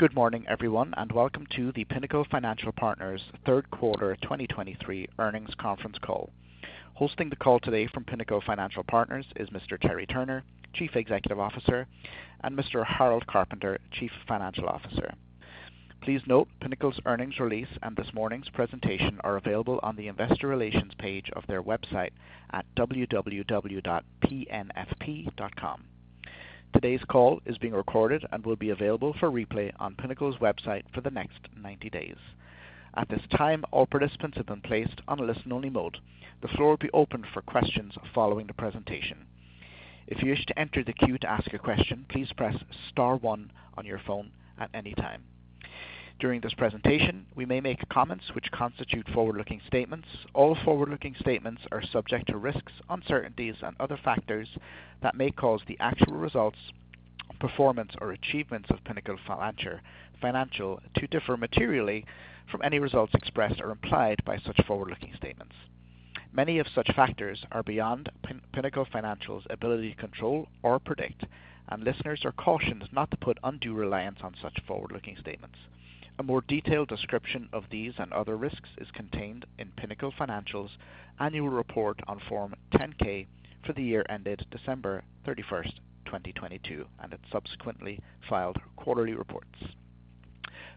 Good morning, everyone, and welcome to the Pinnacle Financial Partners third quarter 2023 earnings conference call. Hosting the call today from Pinnacle Financial Partners is Mr. Terry Turner, Chief Executive Officer, and Mr. Harold Carpenter, Chief Financial Officer. Please note, Pinnacle's earnings release and this morning's presentation are available on the Investor Relations page of their website at www.pnfp.com. Today's call is being recorded and will be available for replay on Pinnacle's website for the next 90 days. At this time, all participants have been placed on a listen-only mode. The floor will be opened for questions following the presentation. If you wish to enter the queue to ask a question, please press star one on your phone at any time. During this presentation, we may make comments which constitute forward-looking statements. All forward-looking statements are subject to risks, uncertainties, and other factors that may cause the actual results, performance, or achievements of Pinnacle Financial to differ materially from any results expressed or implied by such forward-looking statements. Many of such factors are beyond Pinnacle Financial's ability to control or predict, and listeners are cautioned not to put undue reliance on such forward-looking statements. A more detailed description of these and other risks is contained in Pinnacle Financial's annual report on Form 10-K for the year ended December 31, 2022, and its subsequently filed quarterly reports.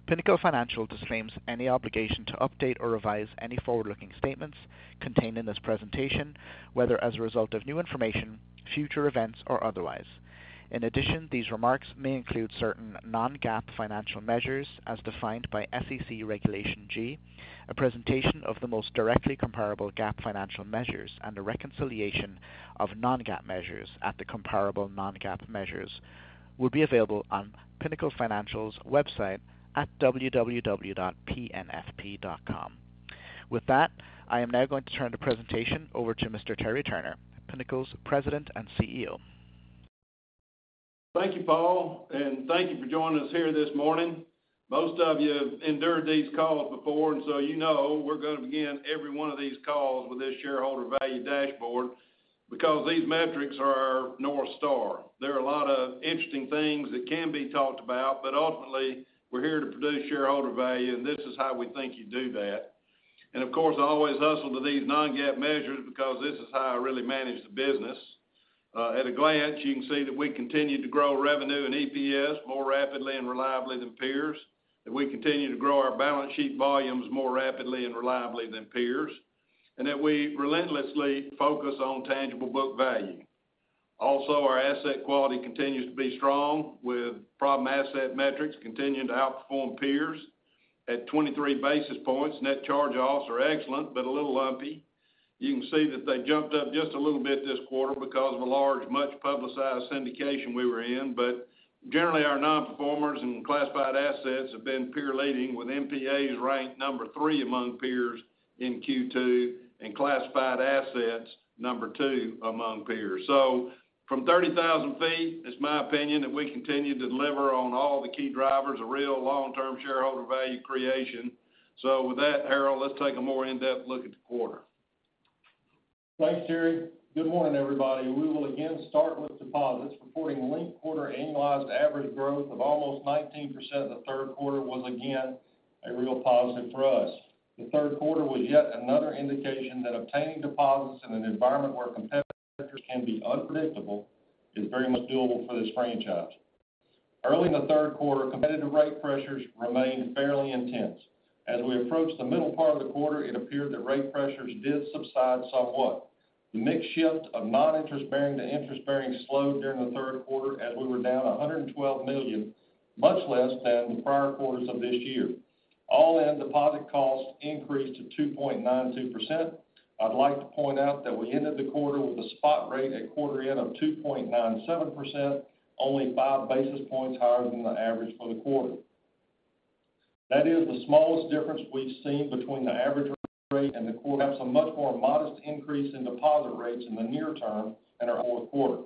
Pinnacle Financial disclaims any obligation to update or revise any forward-looking statements contained in this presentation, whether as a result of new information, future events, or otherwise. In addition, these remarks may include certain non-GAAP financial measures as defined by SEC Regulation G. A presentation of the most directly comparable GAAP financial measures and a reconciliation of non-GAAP measures at the comparable non-GAAP measures will be available on Pinnacle Financial's website at www.pnfp.com. With that, I am now going to turn the presentation over to Mr. Terry Turner, Pinnacle's President and CEO. Thank you, Paul, and thank you for joining us here this morning. Most of you have endured these calls before, and so you know we're going to begin every one of these calls with this shareholder value dashboard, because these metrics are our north star. There are a lot of interesting things that can be talked about, but ultimately, we're here to produce shareholder value, and this is how we think you do that. And of course, I always hustle to these non-GAAP measures because this is how I really manage the business. At a glance, you can see that we continue to grow revenue and EPS more rapidly and reliably than peers, that we continue to grow our balance sheet volumes more rapidly and reliably than peers, and that we relentlessly focus on tangible book value. Also, our asset quality continues to be strong, with problem asset metrics continuing to outperform peers. At 23 basis points, net charge-offs are excellent, but a little lumpy. You can see that they jumped up just a little bit this quarter because of a large, much-publicized syndication we were in. But generally, our nonperformers and classified assets have been peer leading, with NPS ranked number 3 among peers in Q2, and classified assets, number 2 among peers. So from 30,000 ft, it's my opinion that we continue to deliver on all the key drivers of real long-term shareholder value creation. So with that, Harold, let's take a more in-depth look at the quarter. Thanks, Terry. Good morning, everybody. We will again start with deposits. Reporting linked quarter annualized average growth of almost 19% in the third quarter was again a real positive for us. The third quarter was yet another indication that obtaining deposits in an environment where competitors can be unpredictable is very much doable for this franchise. Early in the third quarter, competitive rate pressures remained fairly intense. As we approached the middle part of the quarter, it appeared that rate pressures did subside somewhat. The mix shift of non-interest bearing to interest bearing slowed during the third quarter, as we were down $112 million, much less than the prior quarters of this year. All-in deposit costs increased to 2.92%. I'd like to point out that we ended the quarter with a spot rate at quarter end of 2.97%, only 5 basis points higher than the average for the quarter. That is the smallest difference we've seen between the average rate and the quarter, have a much more modest increase in deposit rates in the near term and our fourth quarter.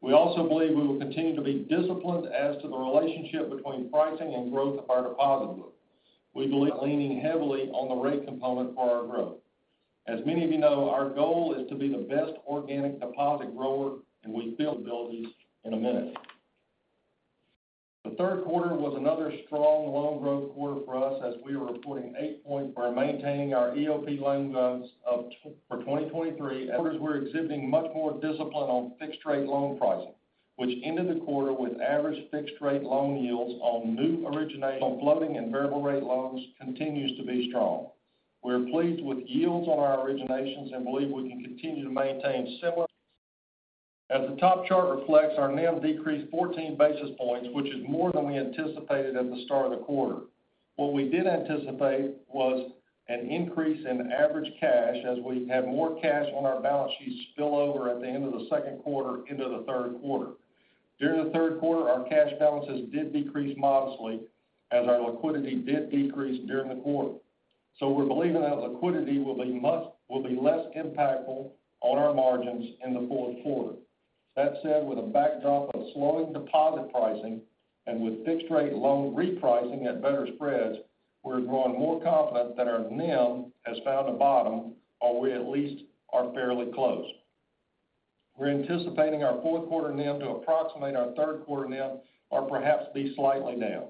We also believe we will continue to be disciplined as to the relationship between pricing and growth of our deposit book. We believe leaning heavily on the rate component for our growth. As many of you know, our goal is to be the best organic deposit grower, and we deployed abilities in a minute. The third quarter was another strong loan growth quarter for us, as we are reporting. We are maintaining our EOP loan growth of for 2023. Lenders were exhibiting much more discipline on fixed rate loan pricing, which ended the quarter with average fixed rate loan yields on new origination. On floating and variable rate loans continues to be strong. We are pleased with yields on our originations and believe we can continue to maintain similar... As the top chart reflects, our NIM decreased 14 basis points, which is more than we anticipated at the start of the quarter. What we did anticipate was an increase in average cash as we had more cash on our balance sheets spill over at the end of the second quarter into the third quarter. During the third quarter, our cash balances did decrease modestly as our liquidity did decrease during the quarter. So we're believing that liquidity will be less impactful on our margins in the fourth quarter. That said, with a backdrop of slowing deposit pricing and with fixed rate loan repricing at better spreads, we're growing more confident that our NIM has found a bottom, or we at least are fairly close.... We're anticipating our fourth quarter NIM to approximate our third quarter NIM, or perhaps be slightly down.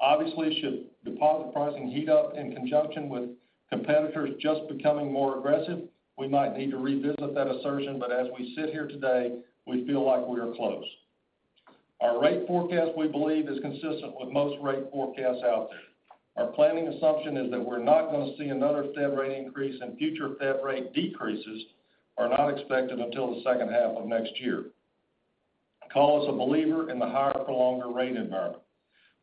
Obviously, should deposit pricing heat up in conjunction with competitors just becoming more aggressive, we might need to revisit that assertion, but as we sit here today, we feel like we are close. Our rate forecast, we believe, is consistent with most rate forecasts out there. Our planning assumption is that we're not going to see another Fed rate increase, and future Fed rate decreases are not expected until the second half of next year. Call us a believer in the higher, prolonged rate environment.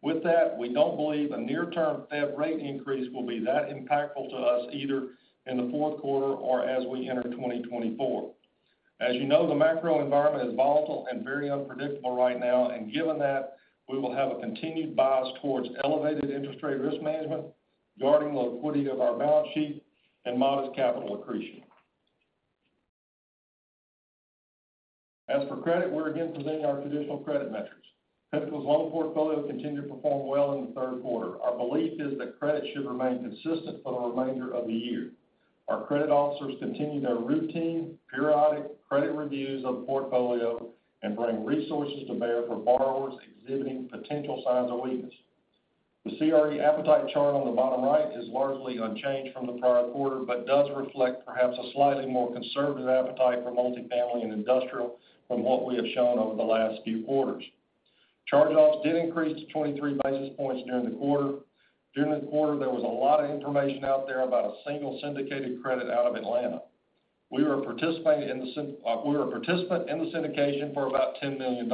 With that, we don't believe a near-term Fed rate increase will be that impactful to us, either in the fourth quarter or as we enter 2024. As you know, the macro environment is volatile and very unpredictable right now, and given that, we will have a continued bias towards elevated interest rate risk management, guarding the liquidity of our balance sheet, and modest capital accretion. As for credit, we're again presenting our traditional credit metrics. Pinnacle's loan portfolio continued to perform well in the third quarter. Our belief is that credit should remain consistent for the remainder of the year. Our credit officers continue their routine, periodic credit reviews of the portfolio and bring resources to bear for borrowers exhibiting potential signs of weakness. The CRE appetite chart on the bottom right is largely unchanged from the prior quarter, but does reflect perhaps a slightly more conservative appetite for multifamily and industrial from what we have shown over the last few quarters. Charge-offs did increase to 23 basis points during the quarter. During the quarter, there was a lot of information out there about a single syndicated credit out of Atlanta. We were a participant in the syndication for about $10 million.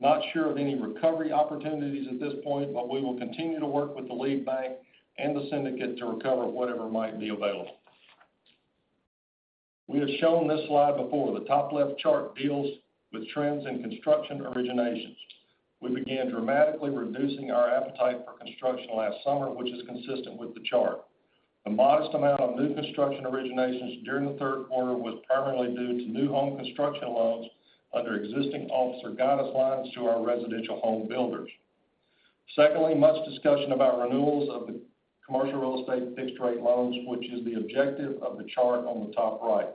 Not sure of any recovery opportunities at this point, but we will continue to work with the lead bank and the syndicate to recover whatever might be available. We have shown this slide before. The top left chart deals with trends in construction originations. We began dramatically reducing our appetite for construction last summer, which is consistent with the chart. The modest amount of new construction originations during the third quarter was primarily due to new home construction loans under existing officer guidelines to our residential home builders. Secondly, much discussion about renewals of the commercial real estate fixed-rate loans, which is the objective of the chart on the top right.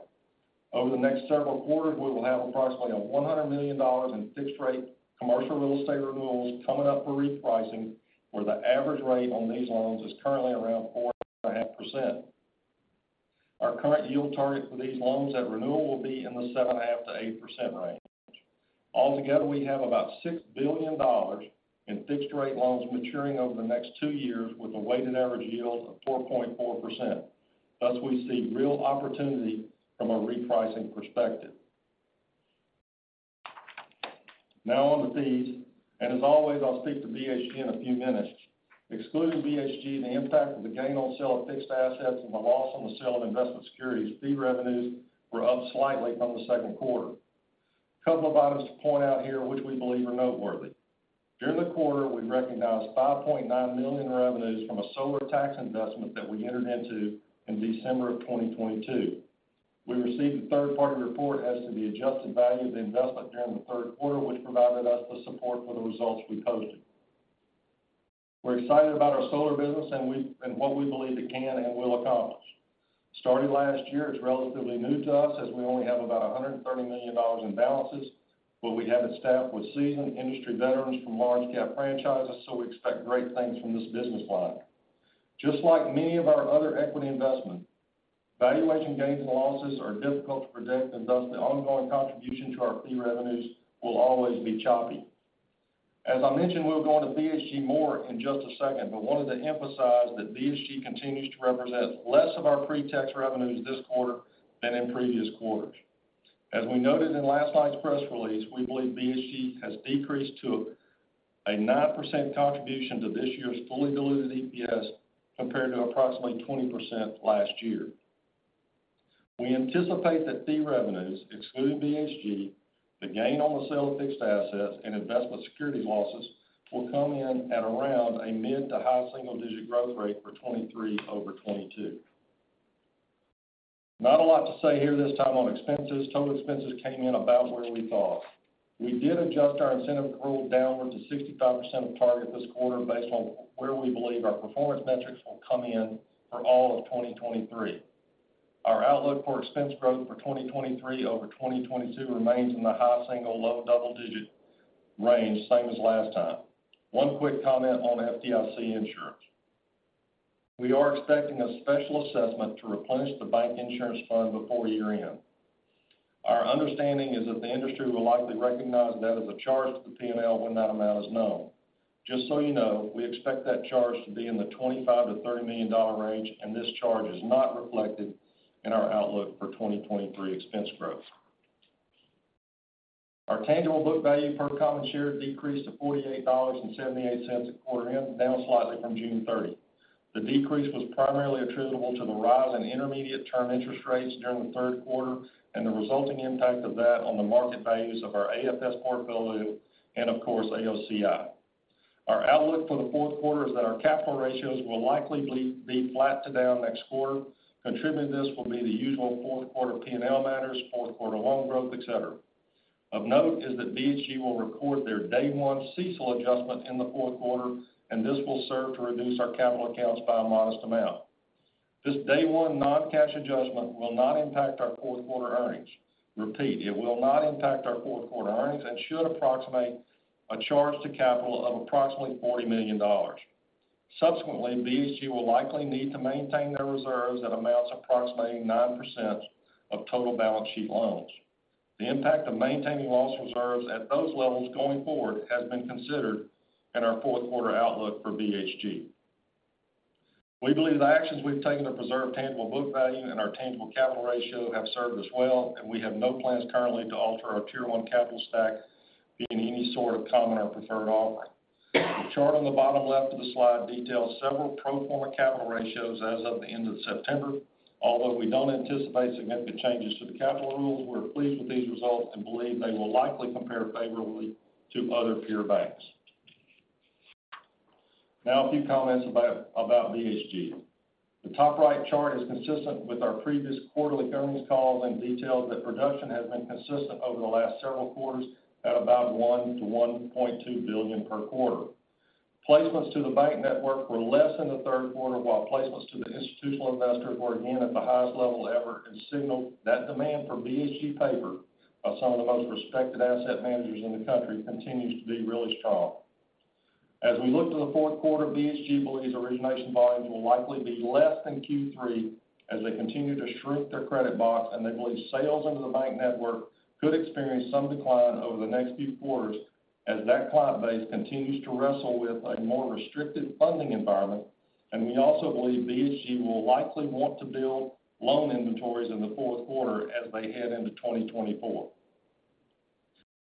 Over the next several quarters, we will have approximately $100 million in fixed-rate commercial real estate renewals coming up for repricing, where the average rate on these loans is currently around 4.5%. Our current yield target for these loans at renewal will be in the 7.5%-8% range. Altogether, we have about $6 billion in fixed-rate loans maturing over the next two years, with a weighted average yield of 4.4%. Thus, we see real opportunity from a repricing perspective. Now on to fees, and as always, I'll speak to BHG in a few minutes. Excluding BHG and the impact of the gain on sale of fixed assets and the loss on the sale of investment securities, fee revenues were up slightly from the second quarter. A couple of items to point out here, which we believe are noteworthy. During the quarter, we recognized $5.9 million in revenues from a solar tax investment that we entered into in December of 2022. We received a third-party report as to the adjusted value of the investment during the third quarter, which provided us the support for the results we posted. We're excited about our solar business and we, and what we believe it can and will accomplish. Starting last year, it's relatively new to us, as we only have about $130 million in balances, but we have it staffed with seasoned industry veterans from large cap franchises, so we expect great things from this business line. Just like many of our other equity investments, valuation gains and losses are difficult to predict, and thus, the ongoing contribution to our fee revenues will always be choppy. As I mentioned, we'll go into BHG more in just a second, but wanted to emphasize that BHG continues to represent less of our pre-tax revenues this quarter than in previous quarters. As we noted in last night's press release, we believe BHG has decreased to a 9% contribution to this year's fully diluted EPS, compared to approximately 20% last year. We anticipate that fee revenues, excluding BHG, the gain on the sale of fixed assets, and investment security losses, will come in at around a mid- to high single-digit growth rate for 2023 over 2022. Not a lot to say here this time on expenses. Total expenses came in about where we thought. We did adjust our incentive pool down to 65% of target this quarter, based on where we believe our performance metrics will come in for all of 2023. Our outlook for expense growth for 2023 over 2022 remains in the high single- to low double-digit range, same as last time. One quick comment on FDIC Insurance. We are expecting a special assessment to replenish the bank insurance fund before year-end. Our understanding is that the industry will likely recognize that as a charge to the P&L when that amount is known. Just so you know, we expect that charge to be in the $25 million-$30 million range, and this charge is not reflected in our outlook for 2023 expense growth. Our tangible book value per common share decreased to $48.78 at quarter end, down slightly from June 30. The decrease was primarily attributable to the rise in intermediate term interest rates during the third quarter and the resulting impact of that on the market values of our AFS portfolio and, of course, AOCI. Our outlook for the fourth quarter is that our capital ratios will likely be flat to down next quarter. Contributing to this will be the usual fourth quarter P&L matters, fourth quarter loan growth, etc. Of note is that BHG will record their day one CECL adjustment in the fourth quarter, and this will serve to reduce our capital accounts by a modest amount. This day one non-cash adjustment will not impact our fourth quarter earnings. Repeat, it will not impact our fourth quarter earnings and should approximate a charge to capital of approximately $40 million. Subsequently, BHG will likely need to maintain their reserves at amounts approximating 9% of total balance sheet loans. The impact of maintaining loss reserves at those levels going forward has been considered in our fourth quarter outlook for BHG. We believe the actions we've taken to preserve tangible book value and our tangible capital ratio have served us well, and we have no plans currently to alter our tier 1 capital stack in any sort of common or preferred offering. The chart on the bottom left of the slide details several pro forma capital ratios as of the end of September. Although we don't anticipate significant changes to the capital rules, we're pleased with these results and believe they will likely compare favorably to other peer banks. Now, a few comments about BHG. The top right chart is consistent with our previous quarterly earnings calls and details that production has been consistent over the last several quarters at about $1 billion-$1.2 billion per quarter. Placements to the bank network were less in the third quarter, while placements to the institutional investors were again at the highest level ever, and signaled that demand for BHG paper by some of the most respected asset managers in the country, continues to be really strong. As we look to the fourth quarter, BHG believes origination volumes will likely be less than Q3 as they continue to shrink their credit box, and they believe sales into the bank network could experience some decline over the next few quarters as that client base continues to wrestle with a more restricted funding environment. We also believe BHG will likely want to build loan inventories in the fourth quarter as they head into 2024.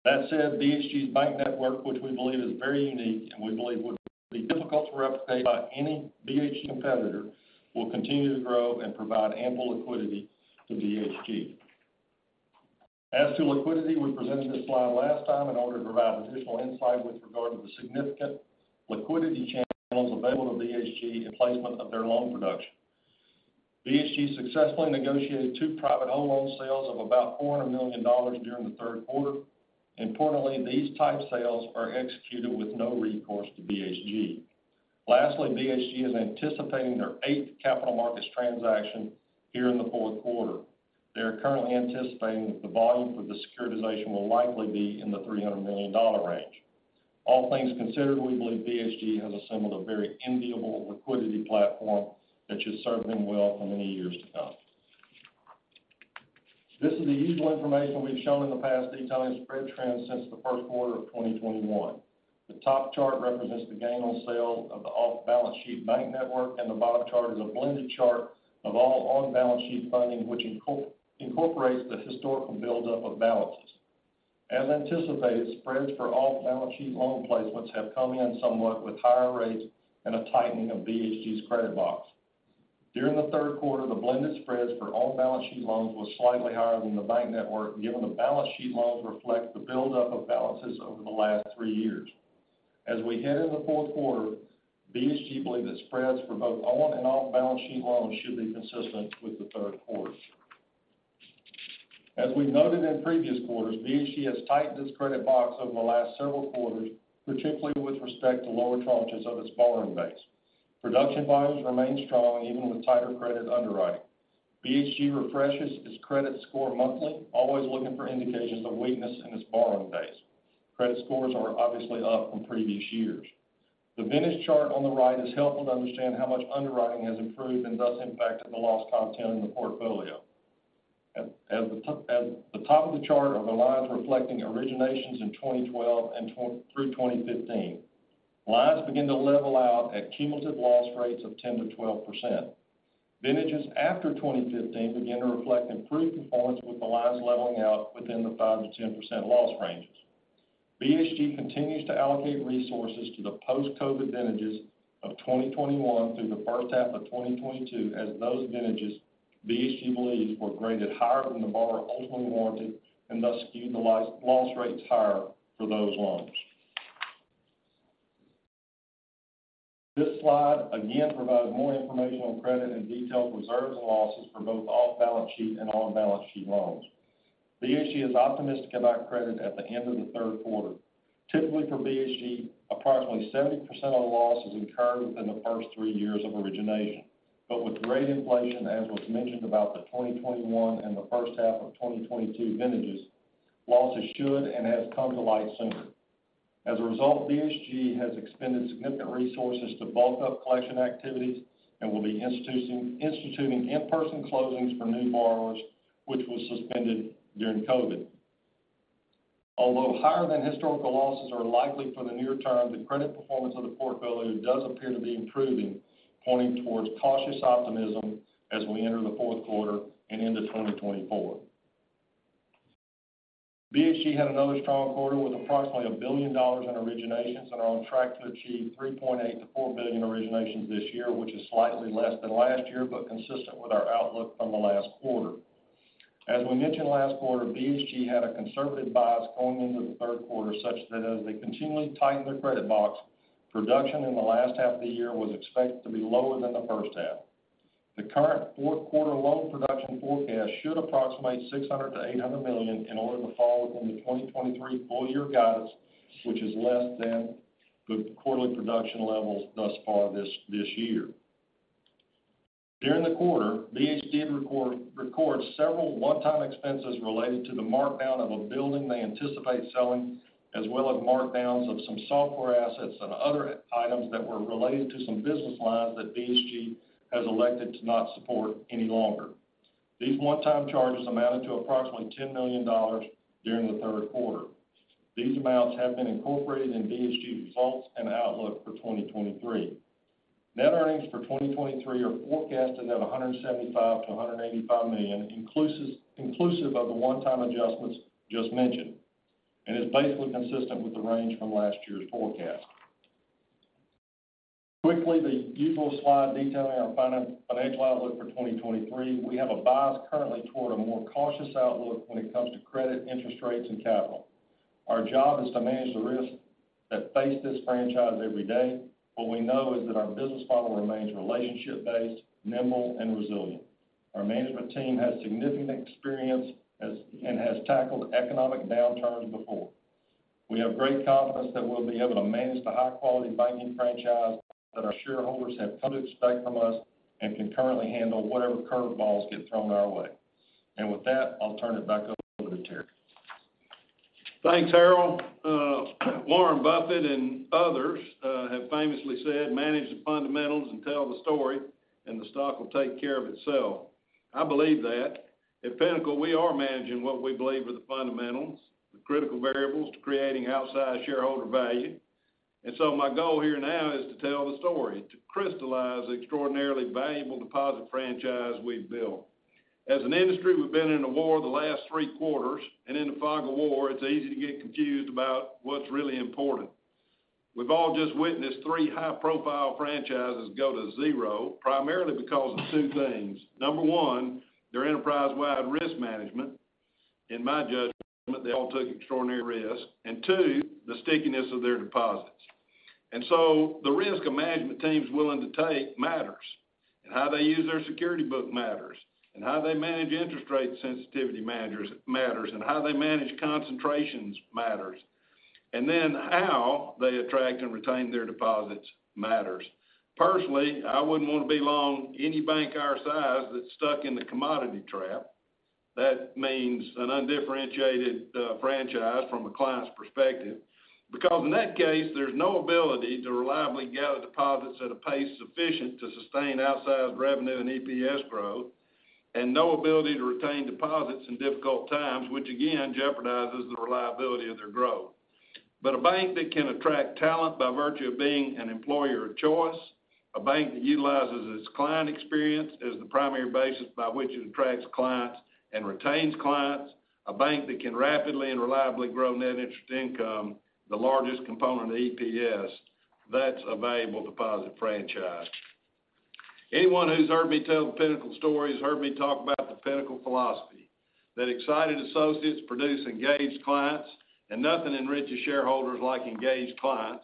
That said, BHG's bank network, which we believe is very unique and we believe would be difficult to replicate by any BHG competitor, will continue to grow and provide ample liquidity to BHG. As to liquidity, we presented this slide last time in order to provide additional insight with regard to the significant liquidity channels available to BHG in placement of their loan production. BHG successfully negotiated two private home loan sales of about $400 million during the third quarter. Importantly, these type sales are executed with no recourse to BHG. Lastly, BHG is anticipating their eighth capital markets transaction here in the fourth quarter. They are currently anticipating that the volume for the securitization will likely be in the $300 million range. All things considered, we believe BHG has assembled a very enviable liquidity platform that should serve them well for many years to come. This is the usual information we've shown in the past, detailing spread trends since the first quarter of 2021. The top chart represents the gain on sale of the off-balance sheet bank network, and the bottom chart is a blended chart of all on-balance sheet funding, which incorporates the historical buildup of balances. As anticipated, spreads for off-balance sheet loan placements have come in somewhat with higher rates and a tightening of BHG's credit box. During the third quarter, the blended spreads for on-balance sheet loans was slightly higher than the bank network, given the balance sheet loans reflect the buildup of balances over the last three years. As we head in the fourth quarter, BHG believe that spreads for both on and off-balance sheet loans should be consistent with the third quarter. As we've noted in previous quarters, BHG has tightened its credit box over the last several quarters, particularly with respect to lower tranches of its borrowing base. Production volumes remain strong, even with tighter credit underwriting. BHG refreshes its credit score monthly, always looking for indications of weakness in its borrowing base. Credit scores are obviously up from previous years. The vintage chart on the right is helpful to understand how much underwriting has improved and thus impacted the loss content in the portfolio. At the top of the chart are the lines reflecting originations in 2012 and through 2015. Lines begin to level out at cumulative loss rates of 10%-12%. Vintages after 2015 begin to reflect improved performance, with the lines leveling out within the 5%-10% loss ranges. BHG continues to allocate resources to the post-COVID vintages of 2021 through the first half of 2022, as those vintages, BHG believes, were graded higher than the borrower ultimately warranted, and thus skewed the loss rates higher for those loans. This slide, again, provides more information on credit and detailed reserves and losses for both off-balance sheet and on-balance sheet loans. BHG is optimistic about credit at the end of the third quarter. Typically, for BHG, approximately 70% of losses incurred within the first three years of origination. But with grade inflation, as was mentioned about the 2021 and the first half of 2022 vintages, losses should and have come to light sooner. As a result, BHG has expended significant resources to bulk up collection activities and will be instituting in-person closings for new borrowers, which was suspended during COVID. Although higher than historical losses are likely for the near term, the credit performance of the portfolio does appear to be improving, pointing towards cautious optimism as we enter the fourth quarter and into 2024. BHG had another strong quarter with approximately $1 billion in originations and are on track to achieve $3.8 billion-$4 billion in originations this year, which is slightly less than last year, but consistent with our outlook from the last quarter. As we mentioned last quarter, BHG had a conservative bias going into the third quarter, such that as they continually tightened their credit box, production in the last half of the year was expected to be lower than the first half. The current fourth quarter loan production forecast should approximate $600 million-$800 million in order to fall within the 2023 full year guidance, which is less than the quarterly production levels thus far this year. During the quarter, BHG did record several one-time expenses related to the markdown of a building they anticipate selling, as well as markdowns of some software assets and other items that were related to some business lines that BHG has elected to not support any longer. These one-time charges amounted to approximately $10 million during the third quarter. These amounts have been incorporated in BHG results and outlook for 2023. Net earnings for 2023 are forecasted at $175 million-$185 million, inclusive of the one-time adjustments just mentioned, and is basically consistent with the range from last year's forecast. Quickly, the usual slide detailing our financial outlook for 2023. We have a bias currently toward a more cautious outlook when it comes to credit, interest rates, and capital. Our job is to manage the risks that face this franchise every day. What we know is that our business model remains relationship-based, nimble, and resilient. Our management team has significant experience as, and has tackled economic downturns before. We have great confidence that we'll be able to manage the high-quality banking franchise that our shareholders have come to expect from us, and can currently handle whatever curveballs get thrown our way. With that, I'll turn it back over to Terry. Thanks, Harold. Warren Buffett and others have famously said, "Manage the fundamentals and tell the story, and the stock will take care of itself." I believe that. At Pinnacle, we are managing what we believe are the fundamentals, the critical variables to creating outsized shareholder value. And so my goal here now is to tell the story, to crystallize the extraordinarily valuable deposit franchise we've built. As an industry, we've been in a war the last three quarters, and in the fog of war, it's easy to get confused about what's really important. We've all just witnessed three high-profile franchises go to zero, primarily because of two things. Number one, their enterprise-wide risk management. In my judgment, they all took extraordinary risks. And two, the stickiness of their deposits. So the risk a management team is willing to take matters, and how they use their securities book matters, and how they manage interest rate sensitivity matters, and how they manage concentrations matters. Then how they attract and retain their deposits matters. Personally, I wouldn't want to be long any bank our size that's stuck in the commodity trap. That means an undifferentiated franchise from a client's perspective, because in that case, there's no ability to reliably gather deposits at a pace sufficient to sustain outsized revenue and EPS growth, and no ability to retain deposits in difficult times, which again, jeopardizes the reliability of their growth. But a bank that can attract talent by virtue of being an employer of choice, a bank that utilizes its client experience as the primary basis by which it attracts clients and retains clients, a bank that can rapidly and reliably grow net interest income, the largest component of EPS, that's a valuable deposit franchise. Anyone who's heard me tell the Pinnacle story has heard me talk about the Pinnacle philosophy, that excited associates produce engaged clients, and nothing enriches shareholders like engaged clients,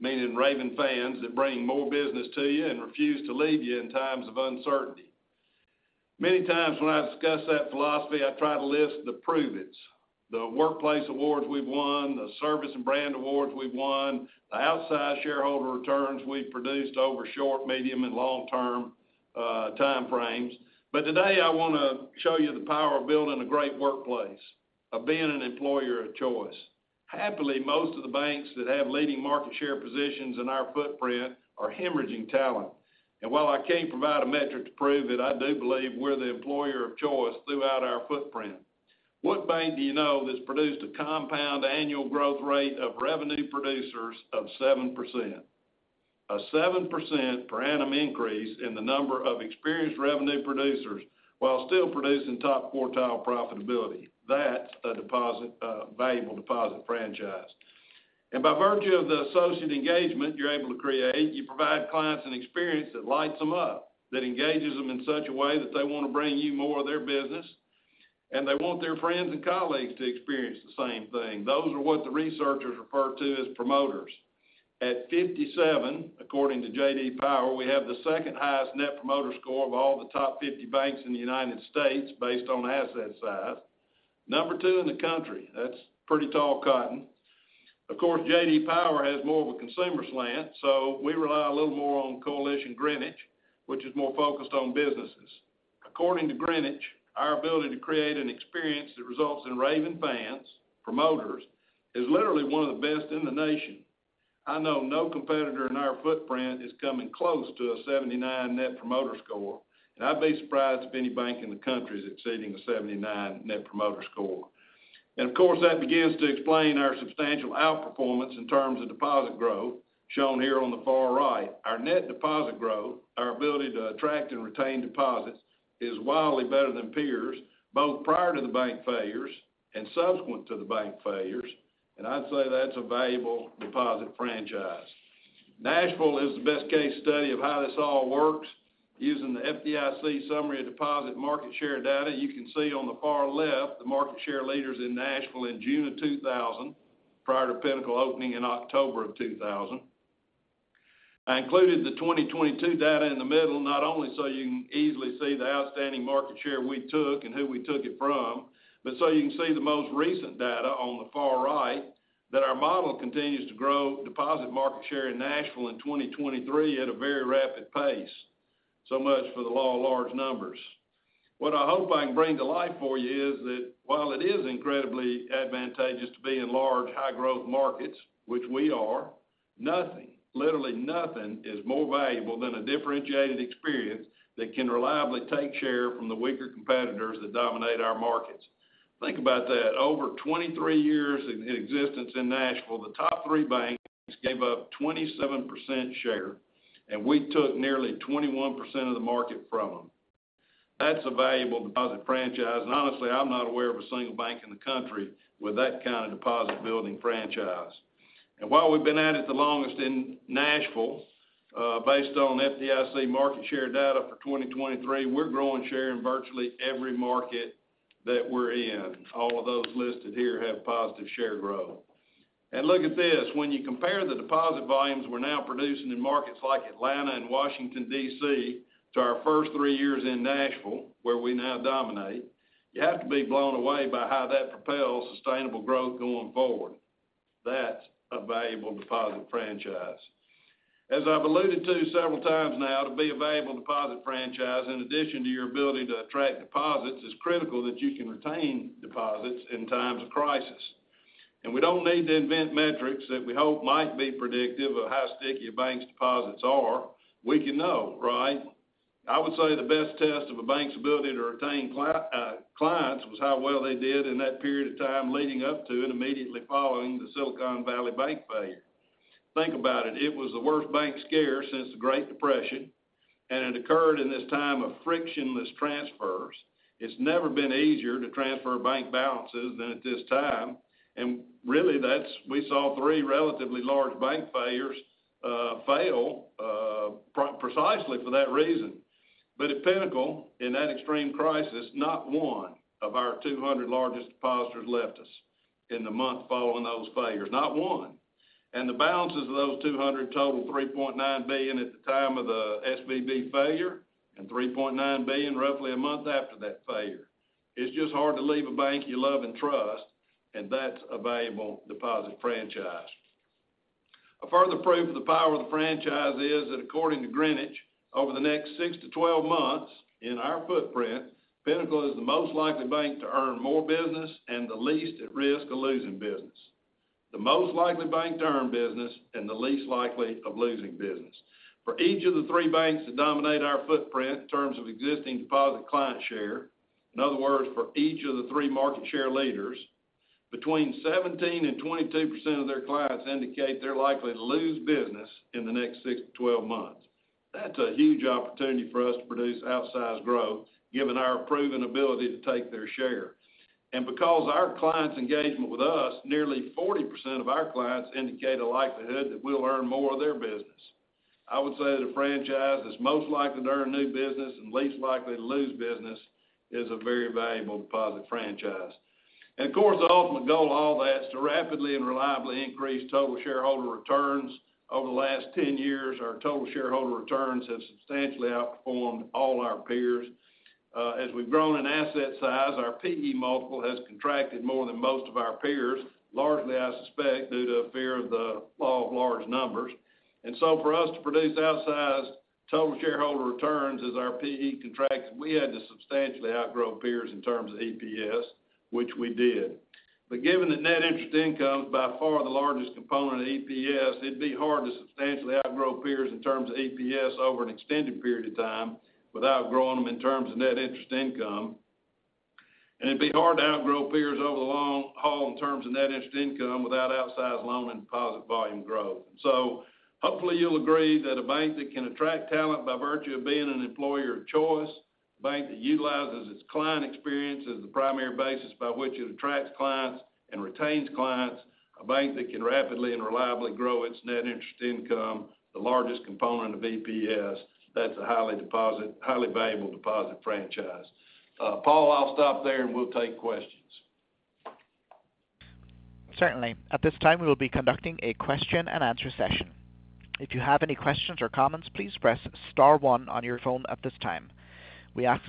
meaning raving fans that bring more business to you and refuse to leave you in times of uncertainty. Many times when I discuss that philosophy, I try to list the proofs, the workplace awards we've won, the service and brand awards we've won, the outsized shareholder returns we've produced over short, medium, and long-term time frames. But today, I want to show you the power of building a great workplace, of being an employer of choice. Happily, most of the banks that have leading market share positions in our footprint are hemorrhaging talent. And while I can't provide a metric to prove it, I do believe we're the employer of choice throughout our footprint. What bank do you know that's produced a compound annual growth rate of revenue producers of 7%? A 7% per annum increase in the number of experienced revenue producers, while still producing top quartile profitability. That's a deposit, valuable deposit franchise. By virtue of the associate engagement you're able to create, you provide clients an experience that lights them up, that engages them in such a way that they want to bring you more of their business, and they want their friends and colleagues to experience the same thing. Those are what the researchers refer to as promoters. At 57, according to J.D. Power, we have the second highest Net Promoter Score of all the top 50 banks in the United States based on asset size. Number 2 in the country. That's pretty tall cotton. Of course, J.D. Power has more of a consumer slant, so we rely a little more on Coalition Greenwich, which is more focused on businesses. According to Greenwich, our ability to create an experience that results in raving fans, promoters, is literally one of the best in the nation. I know no competitor in our footprint is coming close to a 79 net promoter score, and I'd be surprised if any bank in the country is exceeding a 79 net promoter score. And of course, that begins to explain our substantial outperformance in terms of deposit growth, shown here on the far right. Our net deposit growth, our ability to attract and retain deposits, is wildly better than peers, both prior to the bank failures and subsequent to the bank failures, and I'd say that's a valuable deposit franchise. Nashville is the best case study of how this all works. Using the FDIC Summary of Deposit market share data, you can see on the far left, the market share leaders in Nashville in June of 2000.... prior to Pinnacle opening in October of 2000. I included the 2022 data in the middle, not only so you can easily see the outstanding market share we took and who we took it from, but so you can see the most recent data on the far right, that our model continues to grow deposit market share in Nashville in 2023 at a very rapid pace. So much for the law of large numbers. What I hope I can bring to life for you is that while it is incredibly advantageous to be in large, high-growth markets, which we are, nothing, literally nothing, is more valuable than a differentiated experience that can reliably take share from the weaker competitors that dominate our markets. Think about that. Over 23 years in existence in Nashville, the top three banks gave up 27% share, and we took nearly 21% of the market from them. That's a valuable deposit franchise, and honestly, I'm not aware of a single bank in the country with that kind of deposit building franchise. And while we've been at it the longest in Nashville, based on FDIC market share data for 2023, we're growing share in virtually every market that we're in. All of those listed here have positive share growth. And look at this, when you compare the deposit volumes we're now producing in markets like Atlanta and Washington, D.C., to our first three years in Nashville, where we now dominate, you have to be blown away by how that propels sustainable growth going forward. That's a valuable deposit franchise. As I've alluded to several times now, to be a valuable deposit franchise, in addition to your ability to attract deposits, it's critical that you can retain deposits in times of crisis. And we don't need to invent metrics that we hope might be predictive of how sticky a bank's deposits are. We can know, right? I would say the best test of a bank's ability to retain clients was how well they did in that period of time leading up to and immediately following the Silicon Valley Bank failure. Think about it, it was the worst bank scare since the Great Depression, and it occurred in this time of frictionless transfers. It's never been easier to transfer bank balances than at this time, and really, that's, we saw three relatively large bank failures precisely for that reason. But at Pinnacle, in that extreme crisis, not one of our 200 largest depositors left us in the month following those failures, not one. The balances of those 200 totaled $3.9 billion at the time of the SVB failure, and $3.9 billion roughly a month after that failure. It's just hard to leave a bank you love and trust, and that's a valuable deposit franchise. A further proof of the power of the franchise is that, according to Greenwich, over the next six to 12 months in our footprint, Pinnacle is the most likely bank to earn more business and the least at risk of losing business. The most likely bank to earn business and the least likely of losing business. For each of the three banks that dominate our footprint in terms of existing deposit client share, in other words, for each of the three market share leaders, between 17% and 22% of their clients indicate they're likely to lose business in the next six to 12 months. That's a huge opportunity for us to produce outsized growth, given our proven ability to take their share. Because our clients' engagement with us, nearly 40% of our clients indicate a likelihood that we'll earn more of their business. I would say that a franchise that's most likely to earn new business and least likely to lose business is a very valuable deposit franchise. Of course, the ultimate goal of all that is to rapidly and reliably increase total shareholder returns. Over the last 10 years, our total shareholder returns have substantially outperformed all our peers. As we've grown in asset size, our P/E multiple has contracted more than most of our peers, largely, I suspect, due to fear of the law of large numbers. And so for us to produce outsized total shareholder returns as our P/E contracts, we had to substantially outgrow peers in terms of EPS, which we did. But given that net interest income is by far the largest component of EPS, it'd be hard to substantially outgrow peers in terms of EPS over an extended period of time without growing them in terms of net interest income. And it'd be hard to outgrow peers over the long haul in terms of net interest income without outsized loan and deposit volume growth. Hopefully, you'll agree that a bank that can attract talent by virtue of being an employer of choice, a bank that utilizes its client experience as the primary basis by which it attracts clients and retains clients, a bank that can rapidly and reliably grow its net interest income, the largest component of EPS, that's a highly valuable deposit franchise. Paul, I'll stop there, and we'll take questions. Certainly. At this time, we will be conducting a question-and-answer session. If you have any questions or comments, please press star one on your phone at this time. We ask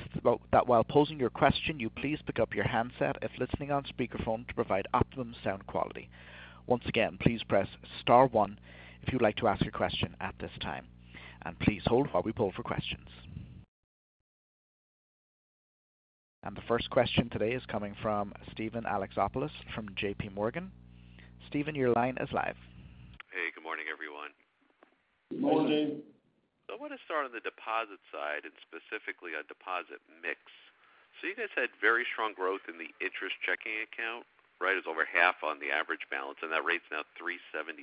that while posing your question, you please pick up your handset if listening on speakerphone to provide optimum sound quality. Once again, please press star one if you'd like to ask a question at this time, and please hold while we poll for questions. And the first question today is coming from Steven Alexopoulos from J.P. Morgan. Steven, your line is live. Hey, good morning, everyone. Morning. Morning. So I want to start on the deposit side, and specifically on deposit mix. So you guys had very strong growth in the interest checking account, right? It's over half on the average balance, and that rate's now 3.77%.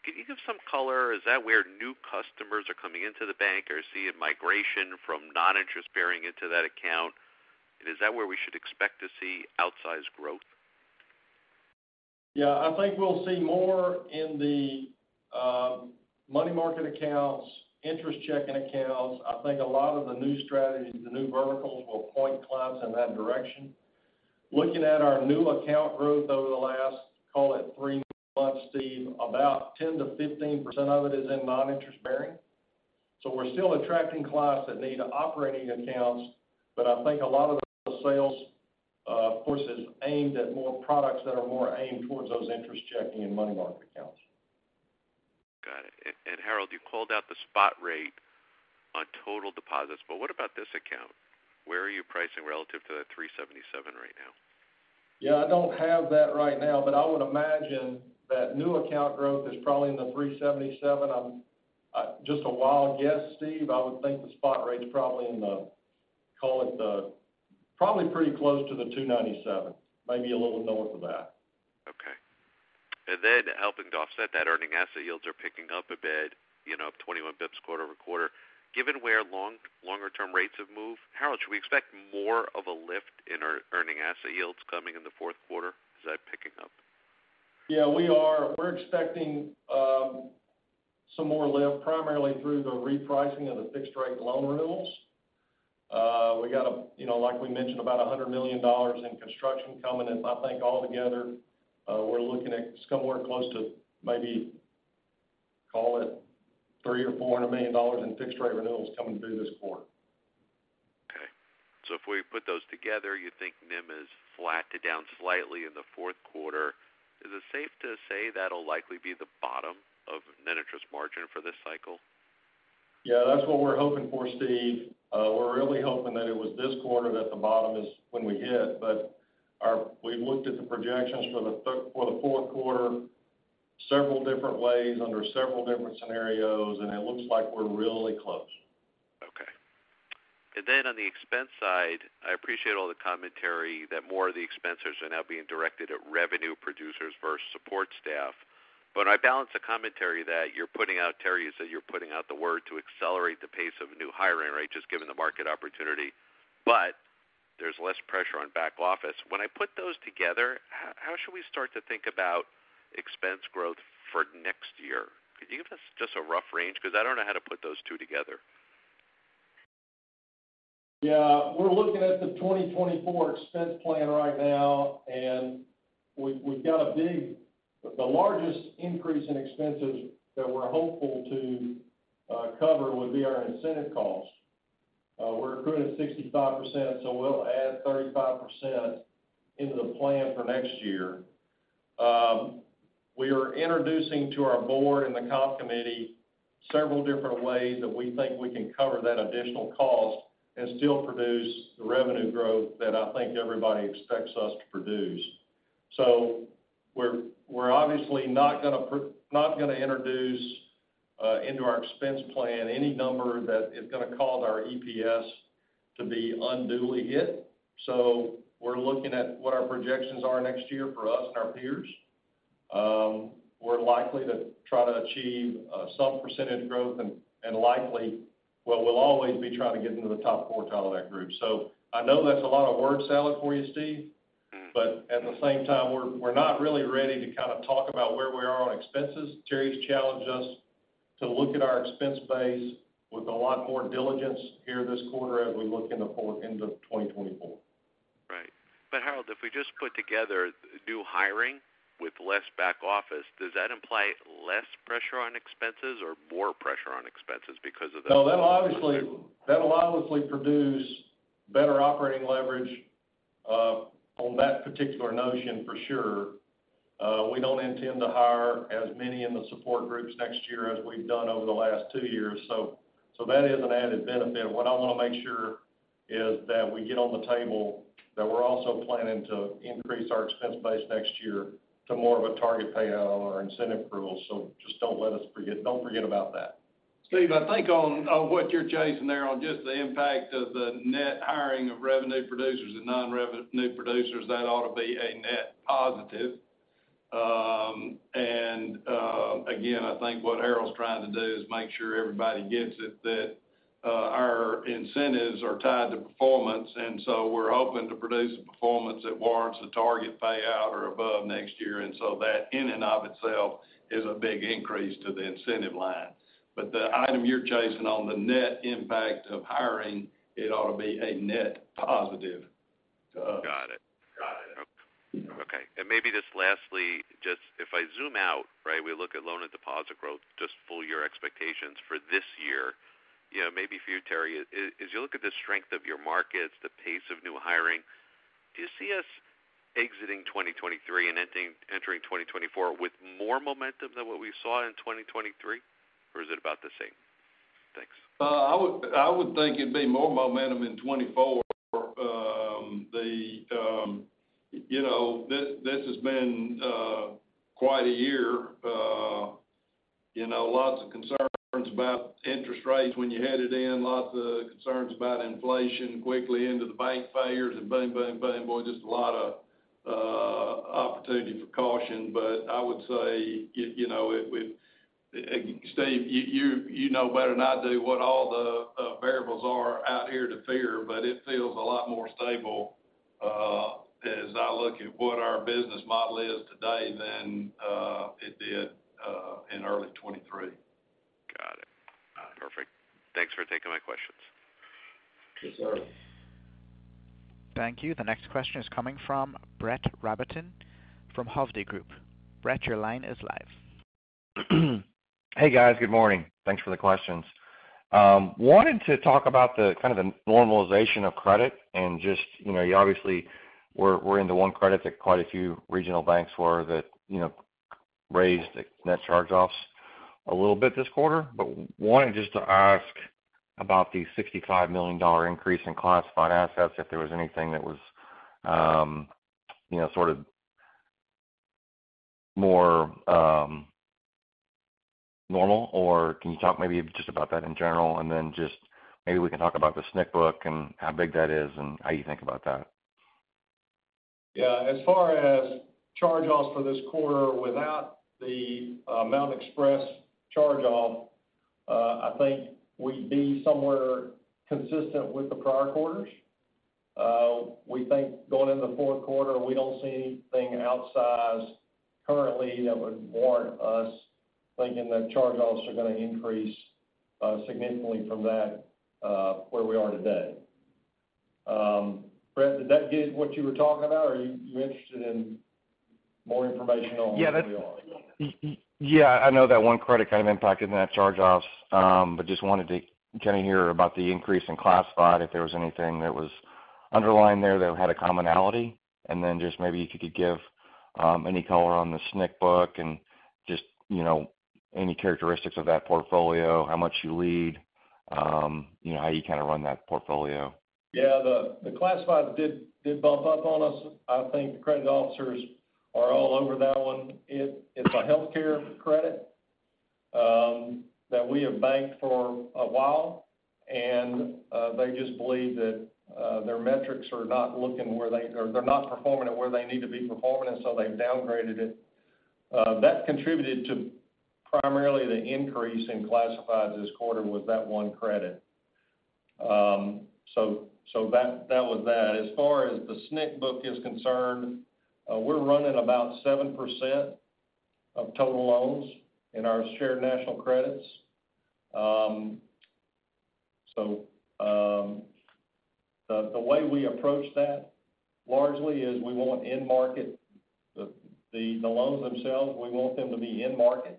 Can you give some color? Is that where new customers are coming into the bank, or is it a migration from non-interest bearing into that account? And is that where we should expect to see outsized growth? Yeah, I think we'll see more in the-... Money market accounts, interest checking accounts. I think a lot of the new strategies, the new verticals will point clients in that direction. Looking at our new account growth over the last, call it three months, Steve, about 10%-15% of it is in non-interest bearing. So we're still attracting clients that need operating accounts, but I think a lot of the sales, of course, is aimed at more products that are more aimed towards those interest checking and money market accounts. Got it. And, and Harold, you called out the spot rate on total deposits, but what about this account? Where are you pricing relative to that 3.77 right now? Yeah, I don't have that right now, but I would imagine that new account growth is probably in the 377. Just a wild guess, Steve, I would think the spot rate's probably in the, call it the, probably pretty close to the 297, maybe a little north of that. Okay. And then helping to offset that, earning asset yields are picking up a bit, you know, up 21 bps quarter-over-quarter. Given where longer-term rates have moved, Harold, should we expect more of a lift in our earning asset yields coming in the fourth quarter? Is that picking up? Yeah, we are. We're expecting some more lift, primarily through the repricing of the fixed-rate loan renewals. We got, you know, like we mentioned, about $100 million in construction coming in. I think altogether, we're looking at somewhere close to maybe, call it $300 million-$400 million in fixed-rate renewals coming through this quarter. Okay. So if we put those together, you think NIM is flat to down slightly in the fourth quarter. Is it safe to say that'll likely be the bottom of net interest margin for this cycle? Yeah, that's what we're hoping for, Steve. We're really hoping that it was this quarter that the bottom is when we hit, but we've looked at the projections for the fourth quarter, several different ways, under several different scenarios, and it looks like we're really close. Okay. And then on the expense side, I appreciate all the commentary that more of the expenses are now being directed at revenue producers versus support staff. But I balance the commentary that you're putting out, Terry. You said you're putting out the word to accelerate the pace of new hiring rate, just given the market opportunity, but there's less pressure on back office. When I put those together, how, how should we start to think about expense growth for next year? Could you give us just a rough range? Because I don't know how to put those two together. Yeah. We're looking at the 2024 expense plan right now, and we've got a big, the largest increase in expenses that we're hopeful to cover would be our incentive costs. We're recruiting at 65%, so we'll add 35% into the plan for next year. We are introducing to our board and the comp committee several different ways that we think we can cover that additional cost and still produce the revenue growth that I think everybody expects us to produce. So we're obviously not going to not going to introduce into our expense plan any number that is going to cause our EPS to be unduly hit. So we're looking at what our projections are next year for us and our peers. We're likely to try to achieve some percentage growth and likely, well, we'll always be trying to get into the top quartile of that group. So I know that's a lot of word salad for you, Steve, but at the same time, we're not really ready to kind of talk about where we are on expenses. Terry's challenged us to look at our expense base with a lot more diligence here this quarter as we look into 2024. Right. But Harold, if we just put together new hiring with less back office, does that imply less pressure on expenses or more pressure on expenses because of the- No, that'll obviously produce better operating leverage on that particular notion, for sure. We don't intend to hire as many in the support groups next year as we've done over the last two years. So, that is an added benefit. What I want to make sure is that we get on the table, that we're also planning to increase our expense base next year to more of a target payout on our incentive rules. So just don't let us forget. Don't forget about that. Steve, I think on, on what you're chasing there, on just the impact of the net hiring of revenue producers and non-revenue producers, that ought to be a net positive. Again, I think what Harold's trying to do is make sure everybody gets it, that, our incentives are tied to performance, and so we're hoping to produce a performance that warrants a target payout or above next year. And so that, in and of itself, is a big increase to the incentive line. But the item you're chasing on the net impact of hiring, it ought to be a net positive to us. Got it. Got it. Okay. And maybe just lastly, just if I zoom out, right, we look at loan and deposit growth, just full year expectations for this year. You know, maybe for you, Terry, as you look at the strength of your markets, the pace of new hiring, do you see us exiting 2023 and entering 2024 with more momentum than what we saw in 2023, or is it about the same? Thanks. I would, I would think it'd be more momentum in 2024. You know, this, this has been quite a year. You know, lots of concerns about interest rates when you headed in, lots of concerns about inflation quickly into the bank failures, and boom, boom, boom. Boy, just a lot of opportunity for caution. But I would say, you, you know, it, we—Steve, you, you, you know better than I do, what all the variables are out here to fear, but it feels a lot more stable.... As I look at what our business model is today than it did in early 2023. Got it. Perfect. Thanks for taking my questions. Sure. Thank you. The next question is coming from Brett Rabatin from Hovde Group. Brett, your line is live. Hey, guys. Good morning. Thanks for the questions. Wanted to talk about the kind of the normalization of credit and just, you know, you obviously we're, we're in the one credit that quite a few regional banks were that, you know, raised the net charge-offs a little bit this quarter. But wanted just to ask about the $65 million increase in classified assets, if there was anything that was, you know, sort of more, normal, or can you talk maybe just about that in general? And then just maybe we can talk about the SNC book and how big that is and how you think about that. Yeah, as far as charge-offs for this quarter, without the Mountain Express charge-off, I think we'd be somewhere consistent with the prior quarters. We think going into the fourth quarter, we don't see anything outsized currently that would warrant us thinking that charge-offs are going to increase significantly from that where we are today. Brett, did that get what you were talking about, or are you interested in more information on- Yeah, that's- Where are we? Yeah, I know that one credit kind of impacted net charge-offs, but just wanted to kind of hear about the increase in classified, if there was anything that was underlined there that had a commonality. And then just maybe if you could give any color on the SNC book and just, you know, any characteristics of that portfolio, how much you lead, you know, how you kind of run that portfolio. Yeah, the classified did bump up on us. I think the credit officers are all over that one. It's a healthcare credit that we have banked for a while, and they just believe that their metrics are not looking where they... Or they're not performing at where they need to be performing, and so they've downgraded it. That contributed to primarily the increase in classified this quarter with that one credit. So that was that. As far as the SNC book is concerned, we're running about 7% of total loans in our shared national credits. So the way we approach that largely is we want in-market, the loans themselves, we want them to be in market.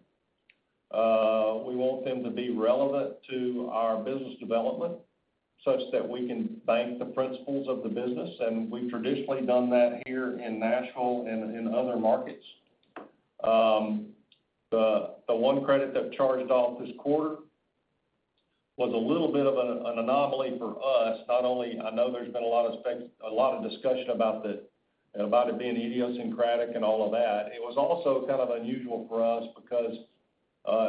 We want them to be relevant to our business development such that we can bank the principals of the business, and we've traditionally done that here in Nashville and in other markets. The one credit that charged off this quarter was a little bit of an anomaly for us. Not only, I know there's been a lot of discussion about it being idiosyncratic and all of that. It was also kind of unusual for us because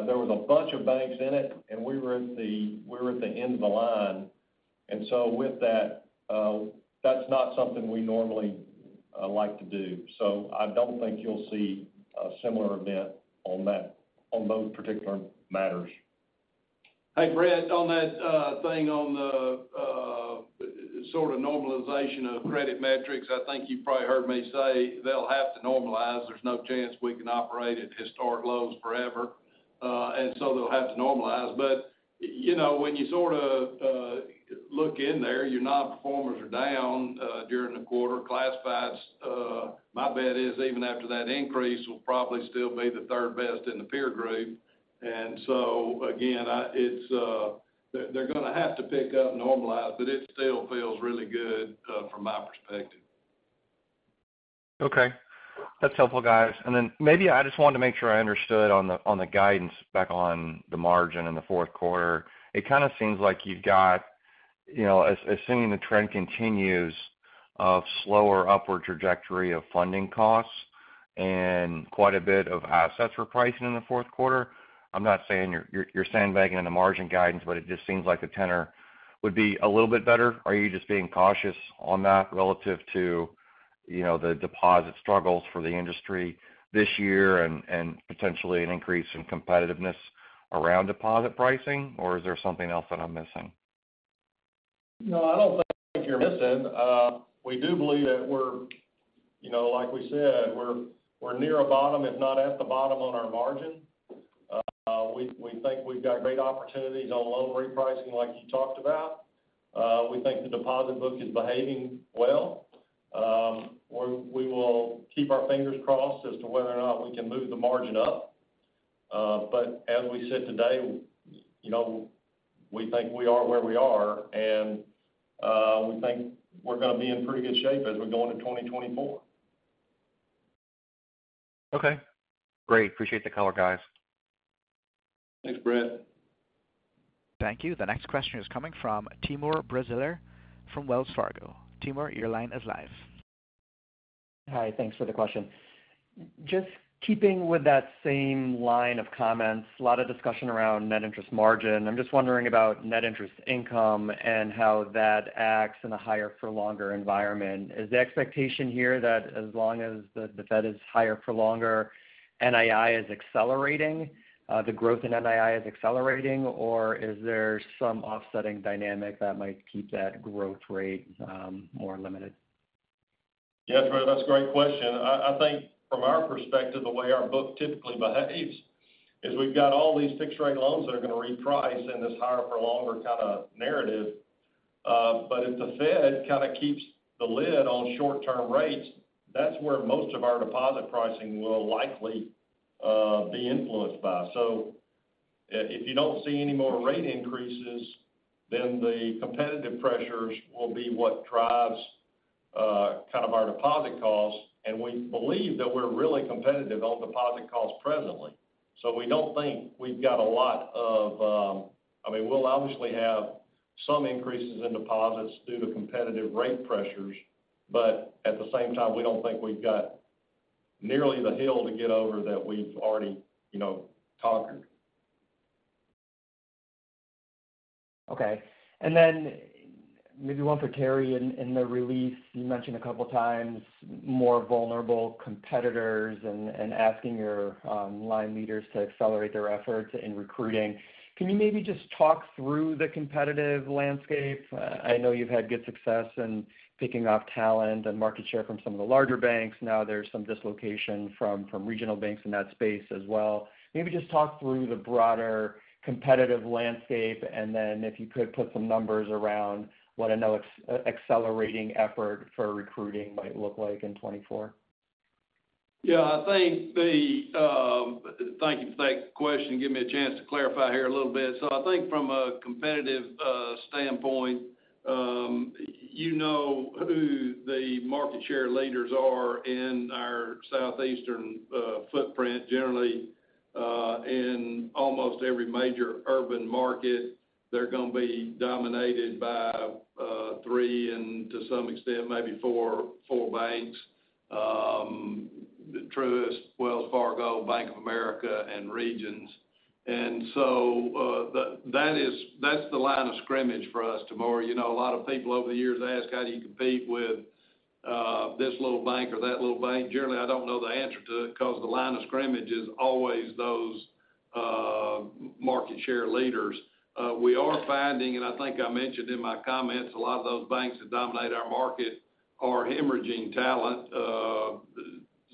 there was a bunch of banks in it, and we were at the end of the line. And so with that, that's not something we normally like to do. So I don't think you'll see a similar event on that, on those particular matters. Hey, Brett, on that thing on the sort of normalization of credit metrics, I think you probably heard me say they'll have to normalize. There's no chance we can operate at historic lows forever, and so they'll have to normalize. But, you know, when you sort of look in there, your nonperformers are down during the quarter. Classifieds, my bet is even after that increase, will probably still be the third best in the peer group. And so, again, it's, they're, they're going to have to pick up, normalize, but it still feels really good from my perspective. Okay. That's helpful, guys. And then maybe I just wanted to make sure I understood on the guidance on the margin in the fourth quarter. It kind of seems like you've got, you know, assuming the trend continues of slower upward trajectory of funding costs and quite a bit of assets for pricing in the fourth quarter. I'm not saying you're sandbagging in the margin guidance, but it just seems like the tenor would be a little bit better. Are you just being cautious on that relative to, you know, the deposit struggles for the industry this year and potentially an increase in competitiveness around deposit pricing, or is there something else that I'm missing? No, I don't think you're missing. We do believe that we're, you know, like we said, we're near a bottom, if not at the bottom on our margin. We think we've got great opportunities on loan repricing, like you talked about. We think the deposit book is behaving well. We will keep our fingers crossed as to whether or not we can move the margin up. But as we said today, you know, we think we are where we are, and we think we're going to be in pretty good shape as we go into 2024. Okay, great. Appreciate the color, guys. Thanks, Brett. Thank you. The next question is coming from Timur Braziler from Wells Fargo. Timur, your line is live. Hi, thanks for the question. Just keeping with that same line of comments, a lot of discussion around net interest margin. I'm just wondering about net interest income and how that acts in a higher for longer environment. Is the expectation here that as long as the Fed is higher for longer, NII is accelerating, the growth in NII is accelerating, or is there some offsetting dynamic that might keep that growth rate more limited?... Yeah, Timur, that's a great question. I think from our perspective, the way our book typically behaves is we've got all these fixed-rate loans that are going to reprice in this higher for longer kind of narrative. But if the Fed kind of keeps the lid on short-term rates, that's where most of our deposit pricing will likely be influenced by. So if you don't see any more rate increases, then the competitive pressures will be what drives kind of our deposit costs, and we believe that we're really competitive on deposit costs presently. So we don't think we've got a lot of, I mean, we'll obviously have some increases in deposits due to competitive rate pressures, but at the same time, we don't think we've got nearly the hill to get over that we've already, you know, conquered. Okay. And then maybe one for Terry. In the release, you mentioned a couple of times more vulnerable competitors and asking your line leaders to accelerate their efforts in recruiting. Can you maybe just talk through the competitive landscape? I know you've had good success in picking off talent and market share from some of the larger banks. Now there's some dislocation from regional banks in that space as well. Maybe just talk through the broader competitive landscape, and then if you could, put some numbers around what an accelerating effort for recruiting might look like in 2024. Yeah, I think... Thank you for that question. Give me a chance to clarify here a little bit. So I think from a competitive standpoint, you know who the market share leaders are in our Southeastern footprint. Generally, in almost every major urban market, they're going to be dominated by three, and to some extent, maybe four banks. Truist, Wells Fargo, Bank of America, and Regions. And so, that is, that's the line of scrimmage for us, Timur. You know, a lot of people over the years ask, How do you compete with this little bank or that little bank? Generally, I don't know the answer to it because the line of scrimmage is always those market share leaders. We are finding, and I think I mentioned in my comments, a lot of those banks that dominate our market are hemorrhaging talent,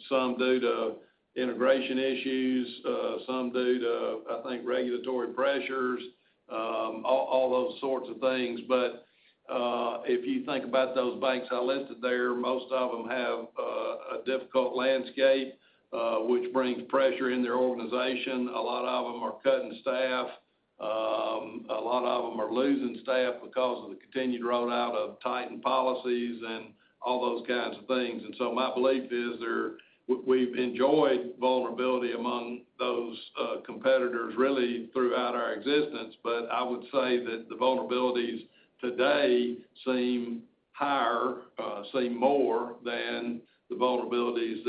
some due to integration issues, some due to, I think, regulatory pressures, all those sorts of things. But, if you think about those banks I listed there, most of them have a difficult landscape, which brings pressure in their organization. A lot of them are cutting staff. A lot of them are losing staff because of the continued rollout of tightened policies and all those kinds of things. And so my belief is there. We've enjoyed vulnerability among those competitors really throughout our existence, but I would say that the vulnerabilities today seem higher, seem more than the vulnerabilities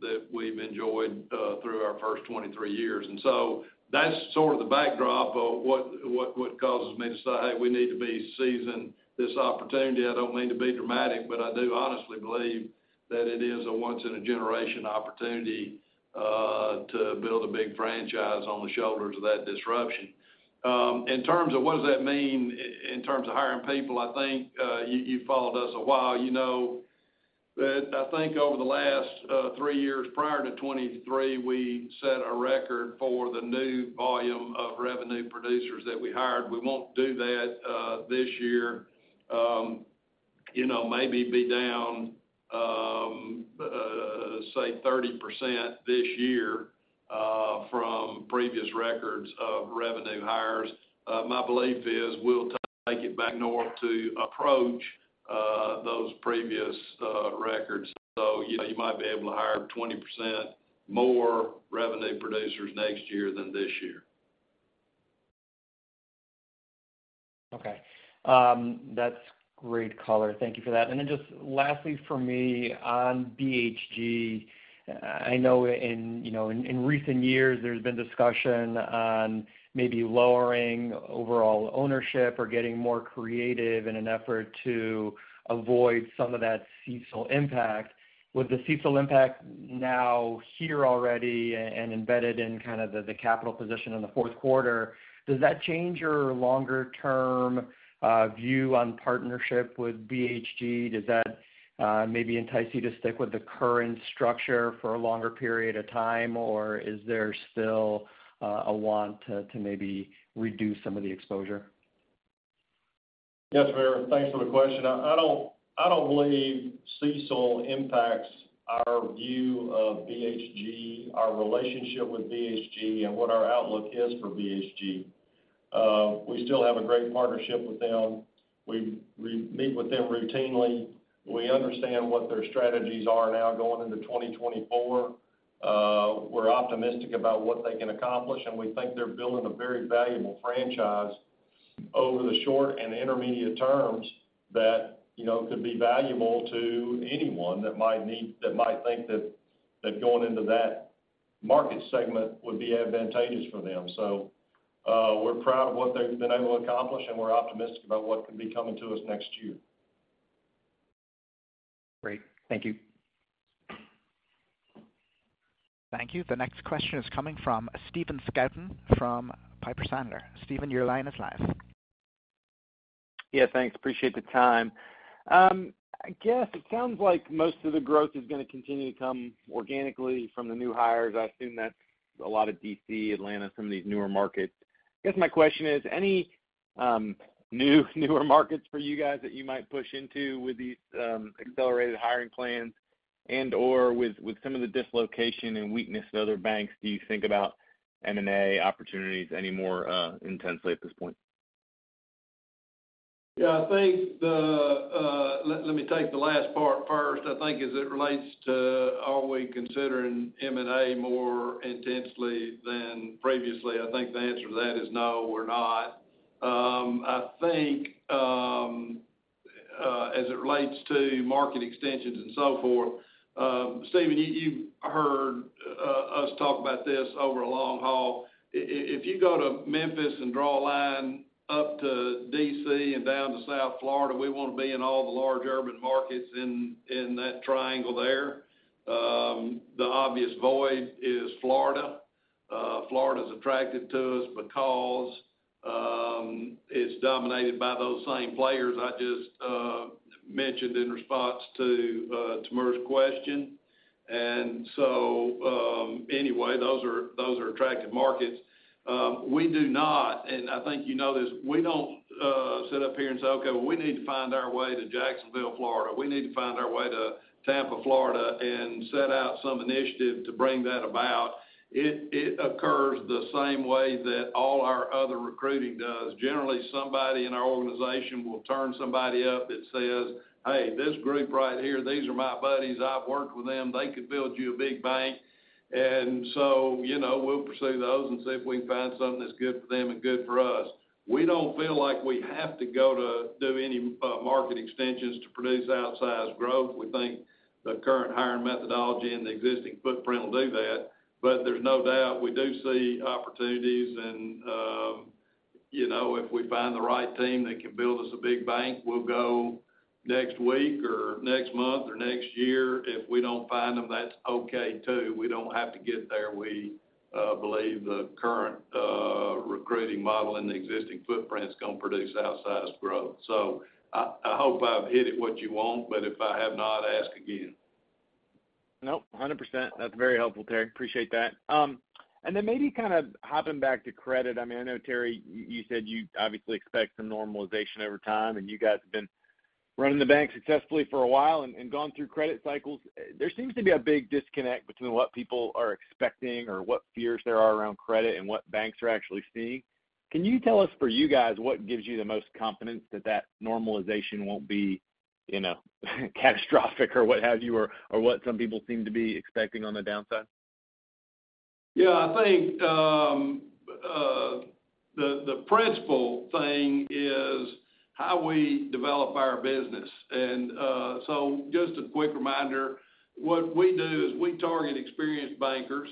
that we've enjoyed through our first 23 years. So that's sort of the backdrop of what causes me to say we need to be seizing this opportunity. I don't mean to be dramatic, but I do honestly believe that it is a once-in-a-generation opportunity to build a big franchise on the shoulders of that disruption. In terms of what does that mean in terms of hiring people, I think you followed us a while. You know that I think over the last three years prior to 2023, we set a record for the new volume of revenue producers that we hired. We won't do that this year. You know, maybe be down, say, 30% this year from previous records of revenue hires. My belief is we'll take it back north to approach those previous records. You know, you might be able to hire 20% more revenue producers next year than this year. Okay. That's great color. Thank you for that. And then just lastly for me, on BHG, I know, you know, in recent years, there's been discussion on maybe lowering overall ownership or getting more creative in an effort to avoid some of that CECL impact. With the CECL impact now here already and embedded in kind of the capital position in the fourth quarter, does that change your longer-term view on partnership with BHG? Does that maybe entice you to stick with the current structure for a longer period of time, or is there still a want to maybe reduce some of the exposure? Yes, sir. Thanks for the question. I don't believe CECL impacts our view of BHG, our relationship with BHG, and what our outlook is for BHG. We still have a great partnership with them. We meet with them routinely. We understand what their strategies are now going into 2024. We're optimistic about what they can accomplish, and we think they're building a very valuable franchise over the short and intermediate terms that, you know, could be valuable to anyone that might need that might think that going into that market segment would be advantageous for them. So, we're proud of what they've been able to accomplish, and we're optimistic about what could be coming to us next year. Great. Thank you. ... Thank you. The next question is coming from Stephen Scouten from Piper Sandler. Steven, your line is live. Yeah, thanks. Appreciate the time. I guess it sounds like most of the growth is going to continue to come organically from the new hires. I assume that's a lot of D.C., Atlanta, some of these newer markets. I guess my question is, any new, newer markets for you guys that you might push into with these accelerated hiring plans? And, or with, with some of the dislocation and weakness in other banks, do you think about M&A opportunities any more intensely at this point? Yeah, I think let me take the last part first. I think as it relates to are we considering M&A more intensely than previously, I think the answer to that is no, we're not. I think as it relates to market extensions and so forth, Steven, you've heard us talk about this over a long haul. If you go to Memphis and draw a line up to D.C. and down to South Florida, we want to be in all the large urban markets in that triangle there. The obvious void is Florida. Florida is attractive to us because it's dominated by those same players I just mentioned in response to Timur's question. And so, anyway, those are attractive markets. We do not, and I think you know this, we don't sit up here and say, "Okay, well, we need to find our way to Jacksonville, Florida. We need to find our way to Tampa, Florida," and set out some initiative to bring that about. It occurs the same way that all our other recruiting does. Generally, somebody in our organization will turn somebody up that says, "Hey, this group right here, these are my buddies. I've worked with them. They could build you a big bank." And so, you know, we'll pursue those and see if we can find something that's good for them and good for us. We don't feel like we have to go to do any market extensions to produce outsized growth. We think the current hiring methodology and the existing footprint will do that. But there's no doubt we do see opportunities and, you know, if we find the right team that can build us a big bank, we'll go next week or next month or next year. If we don't find them, that's okay, too. We don't have to get there. We believe the current recruiting model and the existing footprint is going to produce outsized growth. So I hope I've hit it what you want, but if I have not, ask again. Nope, 100%. That's very helpful, Terry. Appreciate that. And then maybe kind of hopping back to credit. I mean, I know, Terry, you said you obviously expect some normalization over time, and you guys have been running the bank successfully for a while and gone through credit cycles. There seems to be a big disconnect between what people are expecting or what fears there are around credit and what banks are actually seeing. Can you tell us for you guys, what gives you the most confidence that that normalization won't be, you know, catastrophic or what have you, or what some people seem to be expecting on the downside? Yeah, I think, the principal thing is how we develop our business. And, so just a quick reminder, what we do is we target experienced bankers,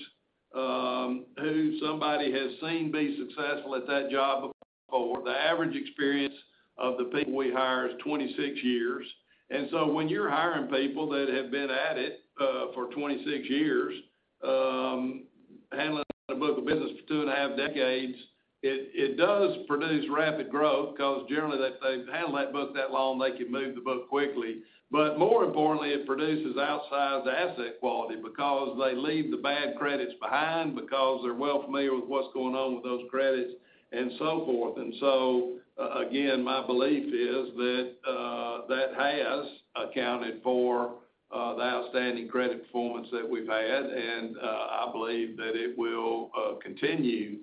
who somebody has seen be successful at that job before. The average experience of the people we hire is 26 years. And so when you're hiring people that have been at it, for 26 years, handling a book of business for 2.5 decades, it does produce rapid growth because generally, they, they've handled that book that long, they can move the book quickly. But more importantly, it produces outsized asset quality because they leave the bad credits behind, because they're well familiar with what's going on with those credits and so forth. And so, again, my belief is that, that has accounted for the outstanding credit performance that we've had, and, I believe that it will continue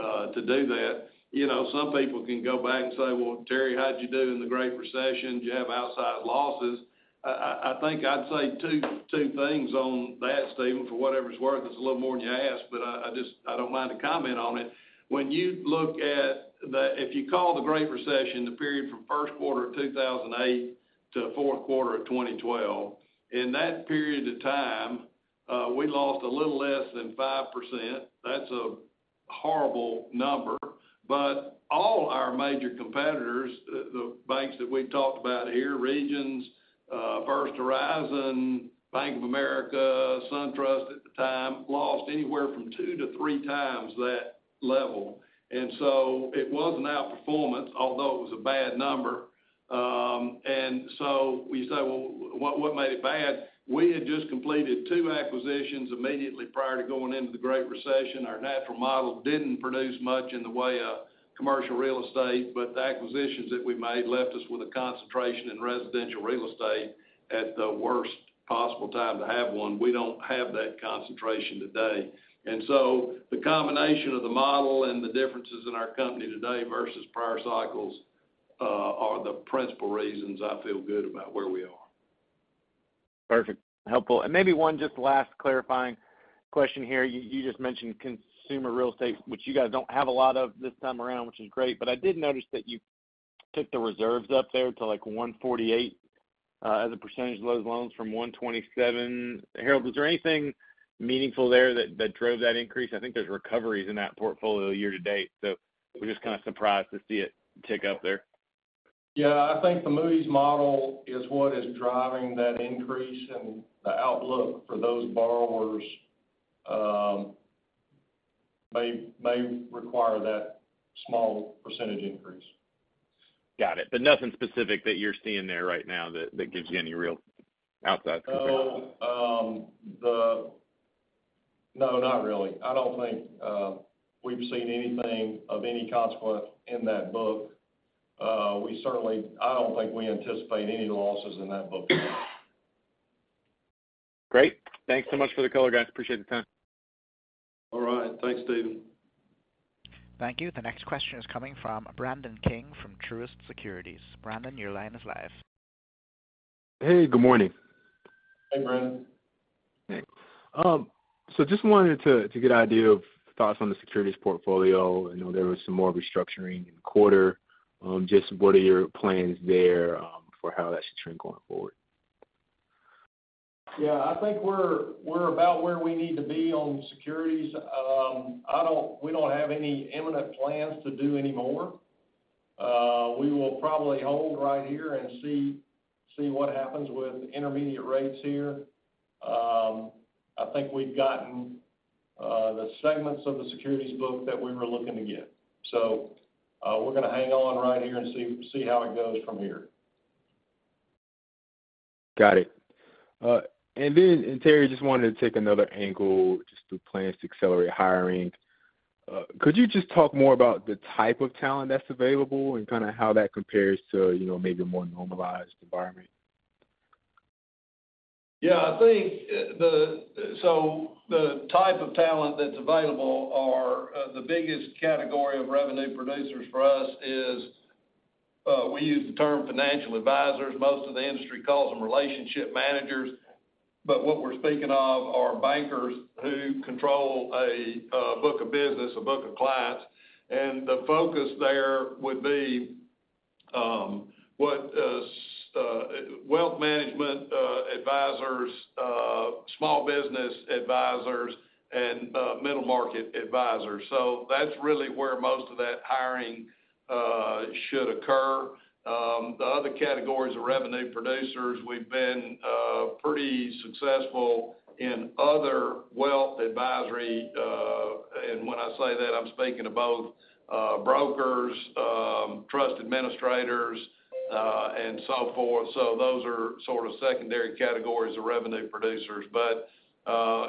to do that. You know, some people can go back and say, "Well, Terry, how'd you do in the Great Recession? Did you have outsized losses?" I think I'd say two things on that, Steven, for whatever it's worth. It's a little more than you asked, but I just, I don't mind to comment on it. When you look at the. If you call the Great Recession the period from first quarter of 2008 to fourth quarter of 2012, in that period of time, we lost a little less than 5%. That's a horrible number, but all our major competitors, the banks that we talked about here, Regions, First Horizon, Bank of America, SunTrust at the time, lost anywhere from two to three times that level. And so it was an outperformance, although it was a bad number. And so we say, well, what made it bad? We had just completed two acquisitions immediately prior to going into the Great Recession. Our natural model didn't produce much in the way of commercial real estate, but the acquisitions that we made left us with a concentration in residential real estate at the worst possible time to have one. We don't have that concentration today. And so the combination of the model and the differences in our company today versus prior cycles are the principal reasons I feel good about where we are. Perfect. Helpful. And maybe one just last clarifying question here. You, you just mentioned consumer real estate, which you guys don't have a lot of this time around, which is great. But I did notice that you took the reserves up there to, like, 1.48%, as a percentage of those loans from 1.27%. Harold, was there anything meaningful there that, that drove that increase? I think there's recoveries in that portfolio year to date, so we're just kind of surprised to see it tick up there.... Yeah, I think the Moody's model is what is driving that increase, and the outlook for those borrowers may require that small percentage increase. Got it, but nothing specific that you're seeing there right now that, that gives you any real outside comparison? No, not really. I don't think we've seen anything of any consequence in that book. I don't think we anticipate any losses in that book. Great. Thanks so much for the color, guys. Appreciate the time. All right. Thanks, Stephen. Thank you. The next question is coming from Brandon King from Truist Securities. Brandon, your line is live. Hey, good morning. Hey, Brandon. Hey. So just wanted to get an idea of thoughts on the securities portfolio. I know there was some more restructuring in the quarter. Just what are your plans there for how that should trend going forward? Yeah, I think we're about where we need to be on securities. We don't have any imminent plans to do any more. We will probably hold right here and see what happens with intermediate rates here. I think we've gotten the segments of the securities book that we were looking to get. So, we're going to hang on right here and see how it goes from here. Got it. And then, and Terry, just wanted to take another angle just through plans to accelerate hiring. Could you just talk more about the type of talent that's available and kind of how that compares to, you know, maybe a more normalized environment? Yeah, I think, so the type of talent that's available are the biggest category of revenue producers for us is we use the term financial advisors. Most of the industry calls them relationship managers, but what we're speaking of are bankers who control a book of business, a book of clients. And the focus there would be what wealth management advisors, small business advisors, and middle market advisors. So that's really where most of that hiring should occur. The other categories of revenue producers, we've been pretty successful in other wealth advisory. And when I say that, I'm speaking about brokers, trust administrators, and so forth. So those are sort of secondary categories of revenue producers. But,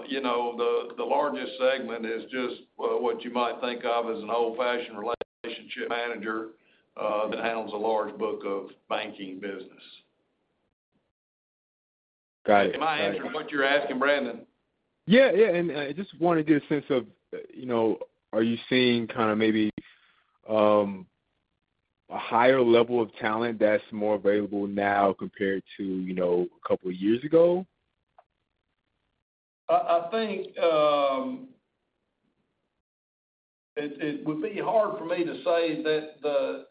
you know, the largest segment is just, well, what you might think of as an old-fashioned relationship manager that handles a large book of banking business. Got it. Did I answer what you're asking, Brandon? Yeah, yeah, and just want to get a sense of, you know, are you seeing kind of maybe a higher level of talent that's more available now compared to, you know, a couple of years ago? I think it would be hard for me to say that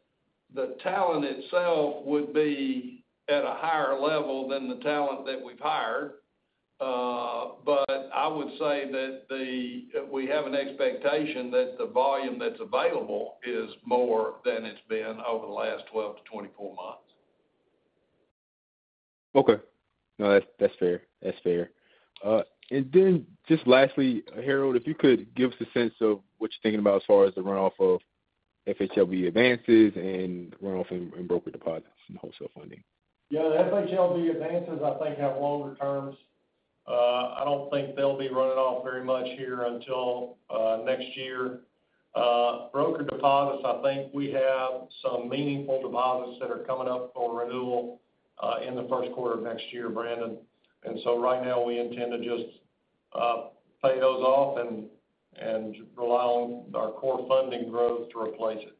the talent itself would be at a higher level than the talent that we've hired. But I would say that we have an expectation that the volume that's available is more than it's been over the last 12-24 months. Okay. No, that's, that's fair. That's fair. And then just lastly, Harold, if you could give us a sense of what you're thinking about as far as the run-off of FHLB advances and run-off in broker deposits and wholesale funding? Yeah, the FHLB advances, I think, have longer terms. I don't think they'll be running off very much here until next year. Broker deposits, I think we have some meaningful deposits that are coming up for renewal in the first quarter of next year, Brandon. And so right now, we intend to just pay those off and rely on our core funding growth to replace it.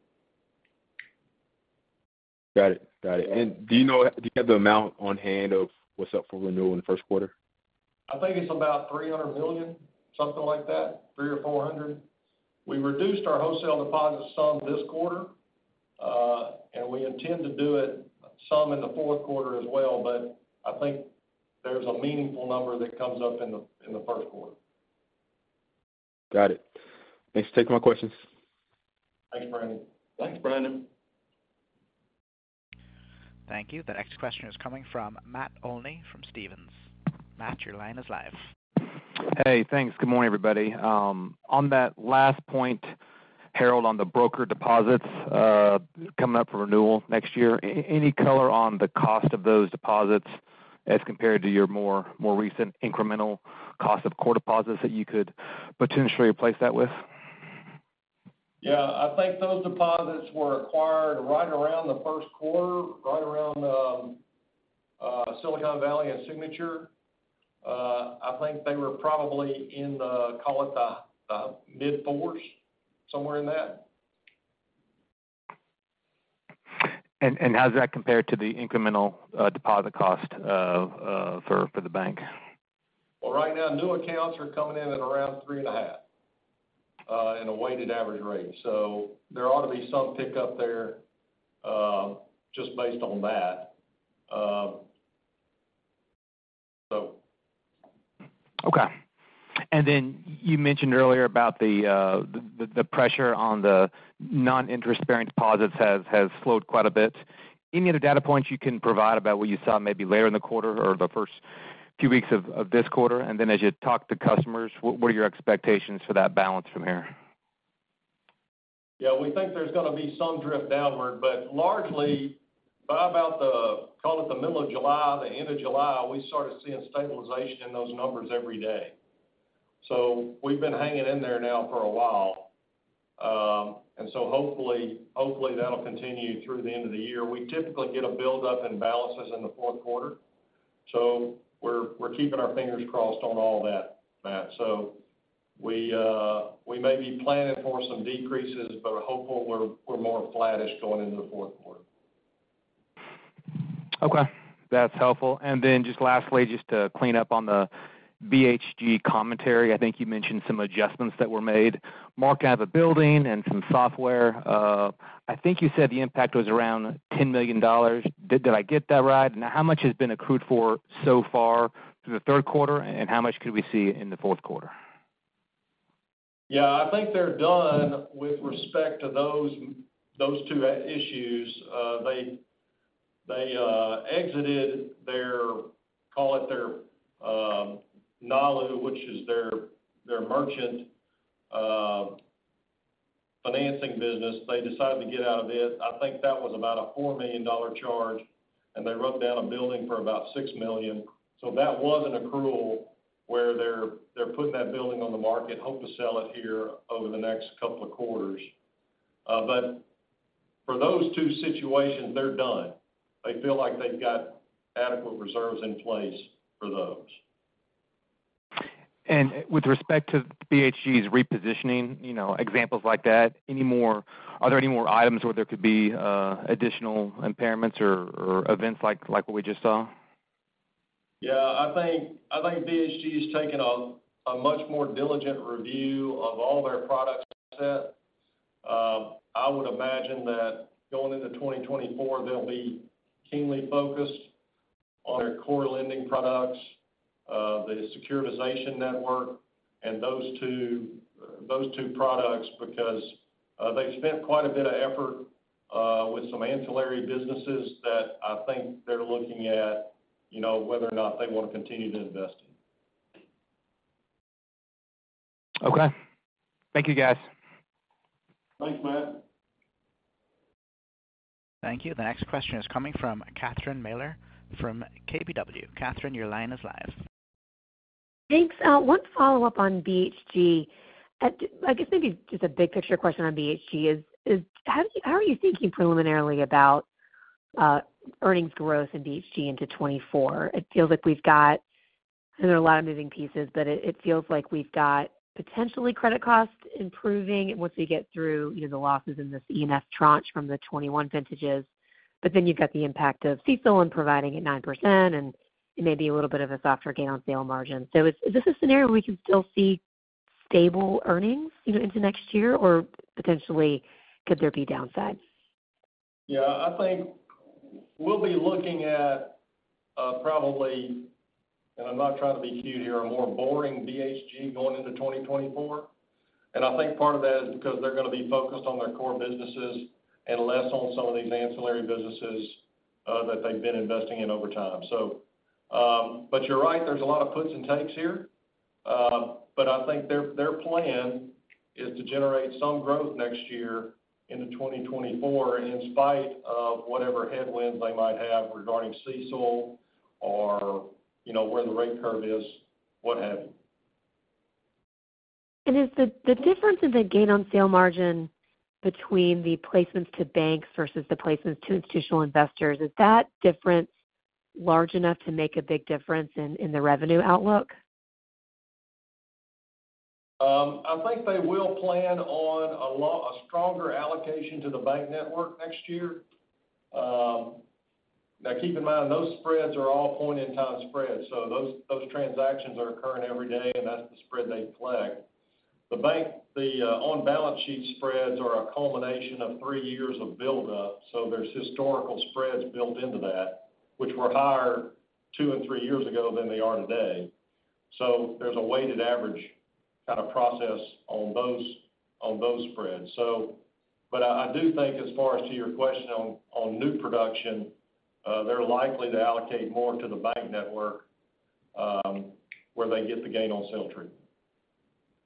Got it. Got it. And do you know, do you have the amount on hand of what's up for renewal in the first quarter? I think it's about $300 million, something like that, $300-$400 million. We reduced our wholesale deposits some this quarter, and we intend to do it some in the fourth quarter as well, but I think there's a meaningful number that comes up in the, in the first quarter. Got it. Thanks for taking my questions. Thanks, Brandon. Thanks, Brandon. Thank you. The next question is coming from Matt Olney from Stephens. Matt, your line is live. Hey, thanks. Good morning, everybody. On that last point, Harold, on the broker deposits coming up for renewal next year. Any color on the cost of those deposits as compared to your more recent incremental cost of core deposits that you could potentially replace that with? Yeah, I think those deposits were acquired right around the first quarter, right around Silicon Valley and Signature. I think they were probably in the, call it the mid-fours, somewhere in that. How does that compare to the incremental deposit cost for the bank? Well, right now, new accounts are coming in at around 3.5 in a weighted average rate, so there ought to be some pickup there, just based on that. ... Okay. And then you mentioned earlier about the pressure on the non-interest bearing deposits has slowed quite a bit. Any other data points you can provide about what you saw maybe later in the quarter or the first few weeks of this quarter? And then as you talk to customers, what are your expectations for that balance from here? Yeah, we think there's going to be some drift downward, but largely by about the, call it the middle of July, the end of July, we started seeing stabilization in those numbers every day. So we've been hanging in there now for a while. And so hopefully, hopefully, that'll continue through the end of the year. We typically get a buildup in balances in the fourth quarter, so we're keeping our fingers crossed on all that, Matt. So we may be planning for some decreases, but hopefully, we're more flattish going into the fourth quarter. Okay, that's helpful. And then just lastly, just to clean up on the BHG commentary. I think you mentioned some adjustments that were made. Marking down a building and some software. I think you said the impact was around $10 million. Did I get that right? Now, how much has been accrued for so far through the third quarter, and how much could we see in the fourth quarter? Yeah, I think they're done with respect to those two issues. They exited their, call it their, Nalu, which is their merchant financing business. They decided to get out of it. I think that was about a $4 million charge, and they wrote down a building for about $6 million. So that was an accrual where they're putting that building on the market, hope to sell it here over the next couple of quarters. But for those two situations, they're done. They feel like they've got adequate reserves in place for those. With respect to BHG's repositioning, you know, examples like that, any more—are there any more items where there could be additional impairments or events like what we just saw? Yeah, I think BHG is taking a much more diligent review of all their product set. I would imagine that going into 2024, they'll be keenly focused on their core lending products, the securitization network and those two products, because they spent quite a bit of effort with some ancillary businesses that I think they're looking at, you know, whether or not they want to continue to invest in. Okay. Thank you, guys. Thanks, Matt. Thank you. The next question is coming from Catherine Mealor from KBW. Catherine, your line is live. Thanks. One follow-up on BHG. I guess maybe just a big picture question on BHG is how are you thinking preliminarily about earnings growth in BHG into 2024? It feels like we've got, I know there are a lot of moving pieces, but it feels like we've got potentially credit costs improving once we get through, you know, the losses in this E&F tranche from the 2021 vintages. But then you've got the impact of CECL and providing at 9% and maybe a little bit of a softer gain on sale margin. So is this a scenario we can still see stable earnings, you know, into next year, or potentially could there be downside? Yeah, I think we'll be looking at, probably, and I'm not trying to be cute here, a more boring BHG going into 2024. And I think part of that is because they're going to be focused on their core businesses and less on some of these ancillary businesses, that they've been investing in over time. So, but you're right, there's a lot of puts and takes here. But I think their, their plan is to generate some growth next year into 2024, in spite of whatever headwinds they might have regarding CECL or you know, where the rate curve is, what have you. Is the difference in the gain on sale margin between the placements to banks versus the placements to institutional investors large enough to make a big difference in the revenue outlook? I think they will plan on a stronger allocation to the bank network next year. Now, keep in mind, those spreads are all point-in-time spreads, so those transactions are occurring every day, and that's the spread they collect. The bank, the on-balance sheet spreads are a culmination of three years of buildup, so there's historical spreads built into that, which were higher two and three years ago than they are today. So there's a weighted average kind of process on those spreads. So, but I do think, as far as to your question on new production, they're likely to allocate more to the bank network, where they get the gain on sale true.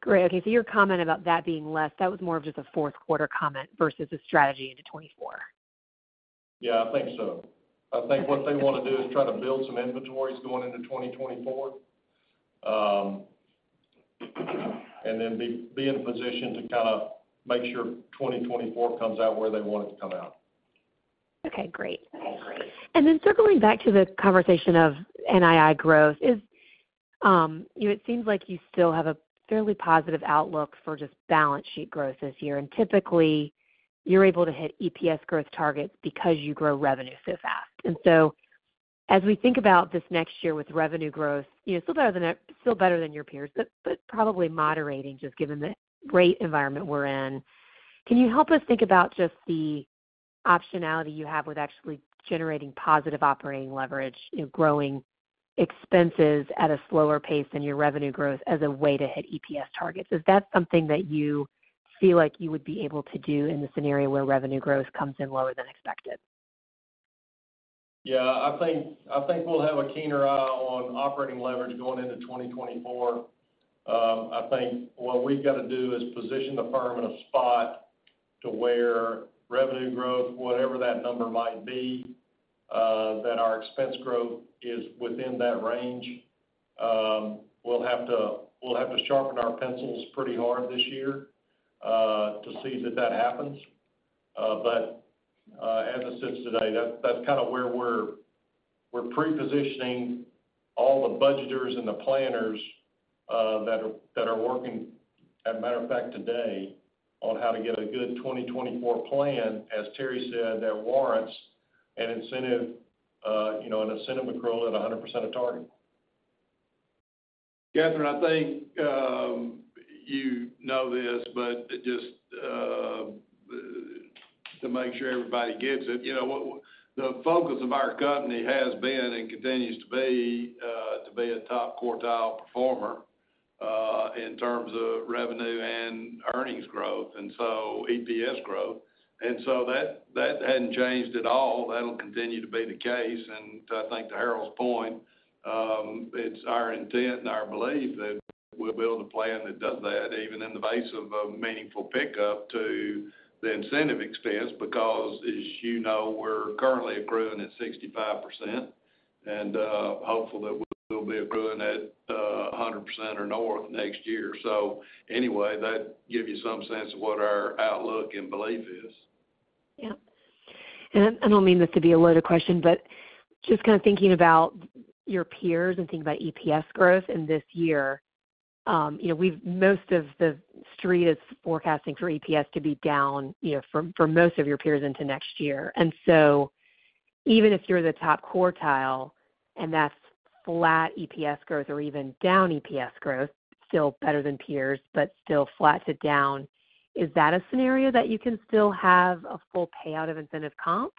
Great. Okay, so your comment about that being less, that was more of just a fourth quarter comment versus a strategy into 2024? Yeah, I think so. I think what they want to do is try to build some inventories going into 2024, and then be in a position to kind of make sure 2024 comes out where they want it to come out. Okay, great. Okay, great. And then circling back to the conversation of NII growth is, you know, it seems like you still have a fairly positive outlook for just balance sheet growth this year, and typically, you're able to hit EPS growth targets because you grow revenue so fast. And so as we think about this next year with revenue growth, you know, still better than, still better than your peers, but, but probably moderating, just given the rate environment we're in, can you help us think about just the optionality you have with actually generating positive operating leverage, growing expenses at a slower pace than your revenue growth as a way to hit EPS targets. Is that something that you feel like you would be able to do in the scenario where revenue growth comes in lower than expected? Yeah, I think, I think we'll have a keener eye on operating leverage going into 2024. I think what we've got to do is position the firm in a spot to where revenue growth, whatever that number might be, that our expense growth is within that range. We'll have to, we'll have to sharpen our pencils pretty hard this year, to see that that happens. But, as it sits today, that's, that's kind of where we're, we're pre-positioning all the budgeters and the planners, that are, that are working, as a matter of fact, today, on how to get a good 2024 plan, as Terry said, that warrants an incentive, you know, an incentive accrual at 100% of target. Catherine, I think, you know this, but just, to make sure everybody gets it, you know, what, the focus of our company has been and continues to be, to be a top quartile performer, in terms of revenue and earnings growth, and so EPS growth. And so that, that hadn't changed at all. That'll continue to be the case. And I think to Harold's point, it's our intent and our belief that we'll build a plan that does that, even in the face of a meaningful pickup to the incentive expense, because, as you know, we're currently approving at 65%, and, hopeful that we'll be approving at, one hundred percent or north next year. So anyway, that give you some sense of what our outlook and belief is. Yeah. And I don't mean this to be a loaded question, but just kind of thinking about your peers and thinking about EPS growth in this year. You know, we've most of the Street is forecasting for EPS to be down, you know, for most of your peers into next year. And so even if you're the top quartile, and that's flat EPS growth or even down EPS growth, still better than peers, but still flat to down, is that a scenario that you can still have a full payout of incentive comp?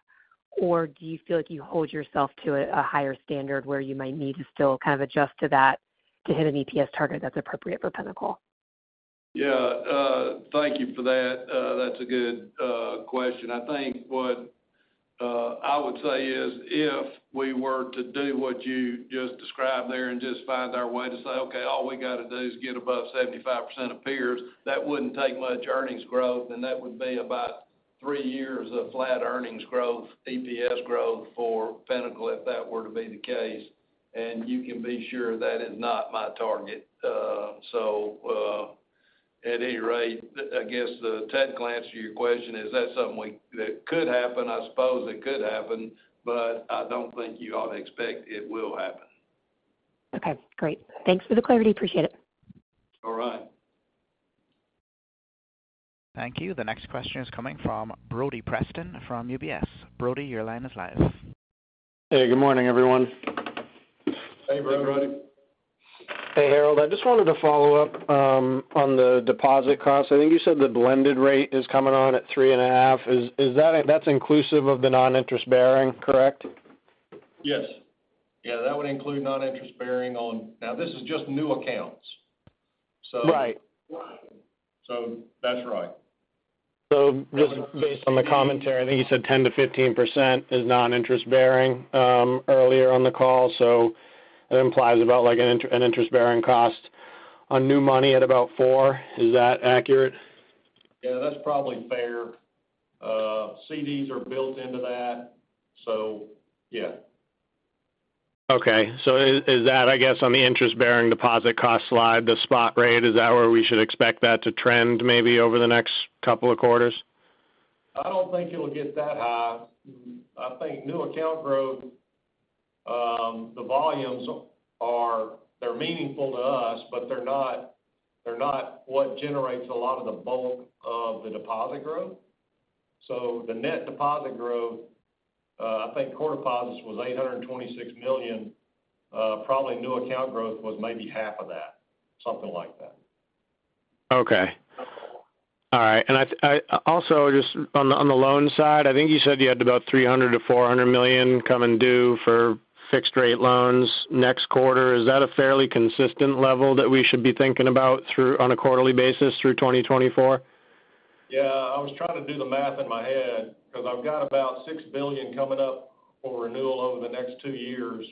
Or do you feel like you hold yourself to a higher standard where you might need to still kind of adjust to that to hit an EPS target that's appropriate for Pinnacle? Yeah, thank you for that. That's a good question. I think what I would say is, if we were to do what you just described there and just find our way to say, okay, all we got to do is get above 75% of peers, that wouldn't take much earnings growth, and that would be about three years of flat earnings growth, EPS growth for Pinnacle, if that were to be the case. You can be sure that is not my target. So, at any rate, I guess the technical answer to your question is that something that could happen? I suppose it could happen, but I don't think you ought to expect it will happen. Okay, great. Thanks for the clarity. Appreciate it. All right. Thank you. The next question is coming from Brody Preston from UBS. Brodie, your line is live. Hey, good morning, everyone. Hey, Brody. Hey, Harold, I just wanted to follow up on the deposit costs. I think you said the blended rate is coming on at 3.5. Is, is that, that's inclusive of the non-interest-bearing, correct? Yes. Yeah, that would include non-interest-bearing on... Now, this is just new accounts. So- Right. That's right. Just based on the commentary, I think you said 10%-15% is non-interest-bearing earlier on the call, so it implies about, like, an interest-bearing cost on new money at about 4%. Is that accurate? Yeah, that's probably fair. CDs are built into that, so yeah. Okay. So is that, I guess, on the interest-bearing deposit cost slide, the spot rate, is that where we should expect that to trend maybe over the next couple of quarters? I don't think it will get that high. I think new account growth, the volumes are, they're meaningful to us, but they're not, they're not what generates a lot of the bulk of the deposit growth. So the net deposit growth, I think core deposits was $826 million. Probably new account growth was maybe half of that, something like that. Okay. All right. I also just on the loan side, I think you said you had about $300 million-$400 million coming due for fixed-rate loans next quarter. Is that a fairly consistent level that we should be thinking about through on a quarterly basis through 2024? Yeah, I was trying to do the math in my head because I've got about $6 billion coming up for renewal over the next two years,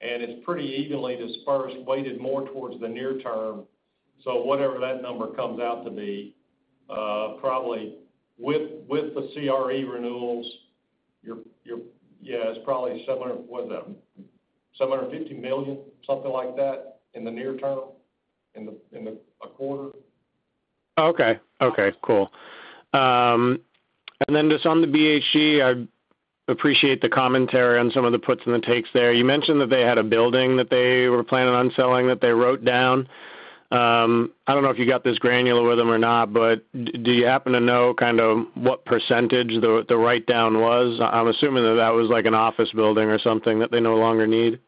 and it's pretty evenly dispersed, weighted more towards the near term. So whatever that number comes out to be, probably with the CRE renewals, your-- yeah, it's probably 700, what is that? 700 and 50 million, something like that, in the near term, in the, in the a quarter. Okay. Okay, cool. And then just on the BHG, I appreciate the commentary on some of the puts and the takes there. You mentioned that they had a building that they were planning on selling, that they wrote down. I don't know if you got this granular with them or not, but do you happen to know kind of what percentage the write-down was? I'm assuming that that was like an office building or something that they no longer need....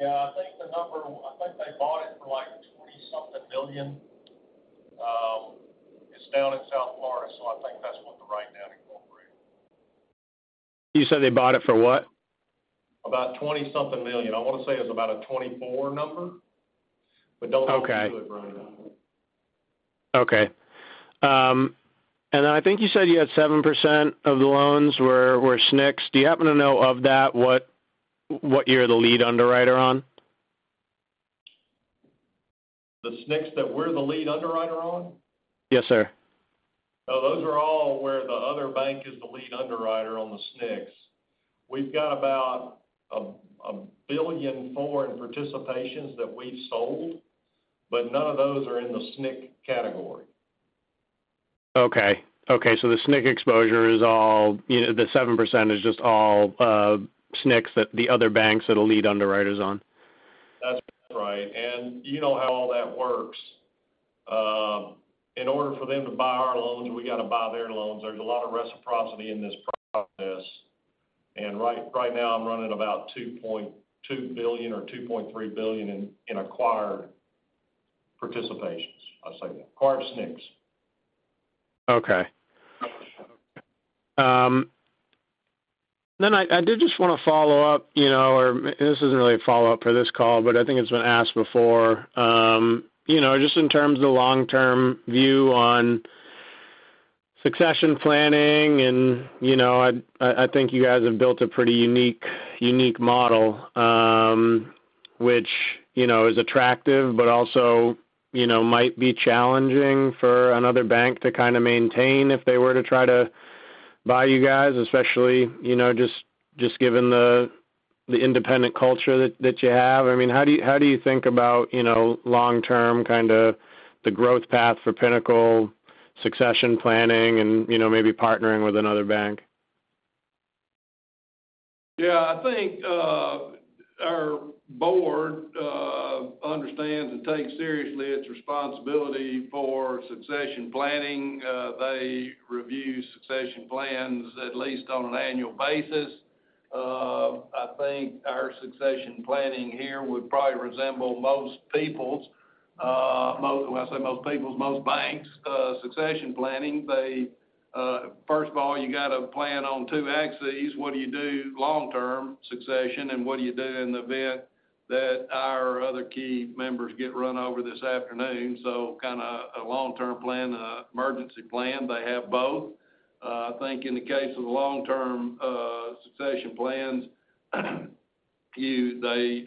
Yeah, I think the number, I think they bought it for, like, $20-something million. It's down in South Florida, so I think that's what the right net incorporate. You said they bought it for what? About $20-something million. I want to say it's about a 24 number, but don't- Okay. Hold me to it, Brody. Okay. And then I think you said you had 7% of the loans were SNCs. Do you happen to know of that, what you're the lead underwriter on? The SNCs that we're the lead underwriter on? Yes, sir. Oh, those are all where the other bank is the lead underwriter on the SNCs. We've got about $1.4 billion in participations that we've sold, but none of those are in the SNC category. Okay. Okay, so the SNC exposure is all, you know, the 7% is just all, SNCs that the other banks that are lead underwriters on. That's right. You know how all that works. In order for them to buy our loans, we got to buy their loans. There's a lot of reciprocity in this process, and right now I'm running about $2.2 billion or $2.3 billion in acquired participations. I'll say that, acquired SNCs. Okay. Then I did just want to follow up, you know, or this isn't really a follow-up for this call, but I think it's been asked before. You know, just in terms of the long-term view on succession planning, and, you know, I think you guys have built a pretty unique model, which, you know, is attractive, but also, you know, might be challenging for another bank to kind of maintain if they were to try to buy you guys, especially, you know, just given the independent culture that you have. I mean, how do you think about, you know, long term, kind of the growth path for Pinnacle succession planning and, you know, maybe partnering with another bank? Yeah, I think our board understands and takes seriously its responsibility for succession planning. They review succession plans at least on an annual basis. I think our succession planning here would probably resemble most people's. When I say most people's, most banks succession planning. They first of all, you got to plan on two axes. What do you do long-term succession, and what do you do in the event that our other key members get run over this afternoon? So kind of a long-term plan, an emergency plan. They have both. I think in the case of the long-term succession plans, they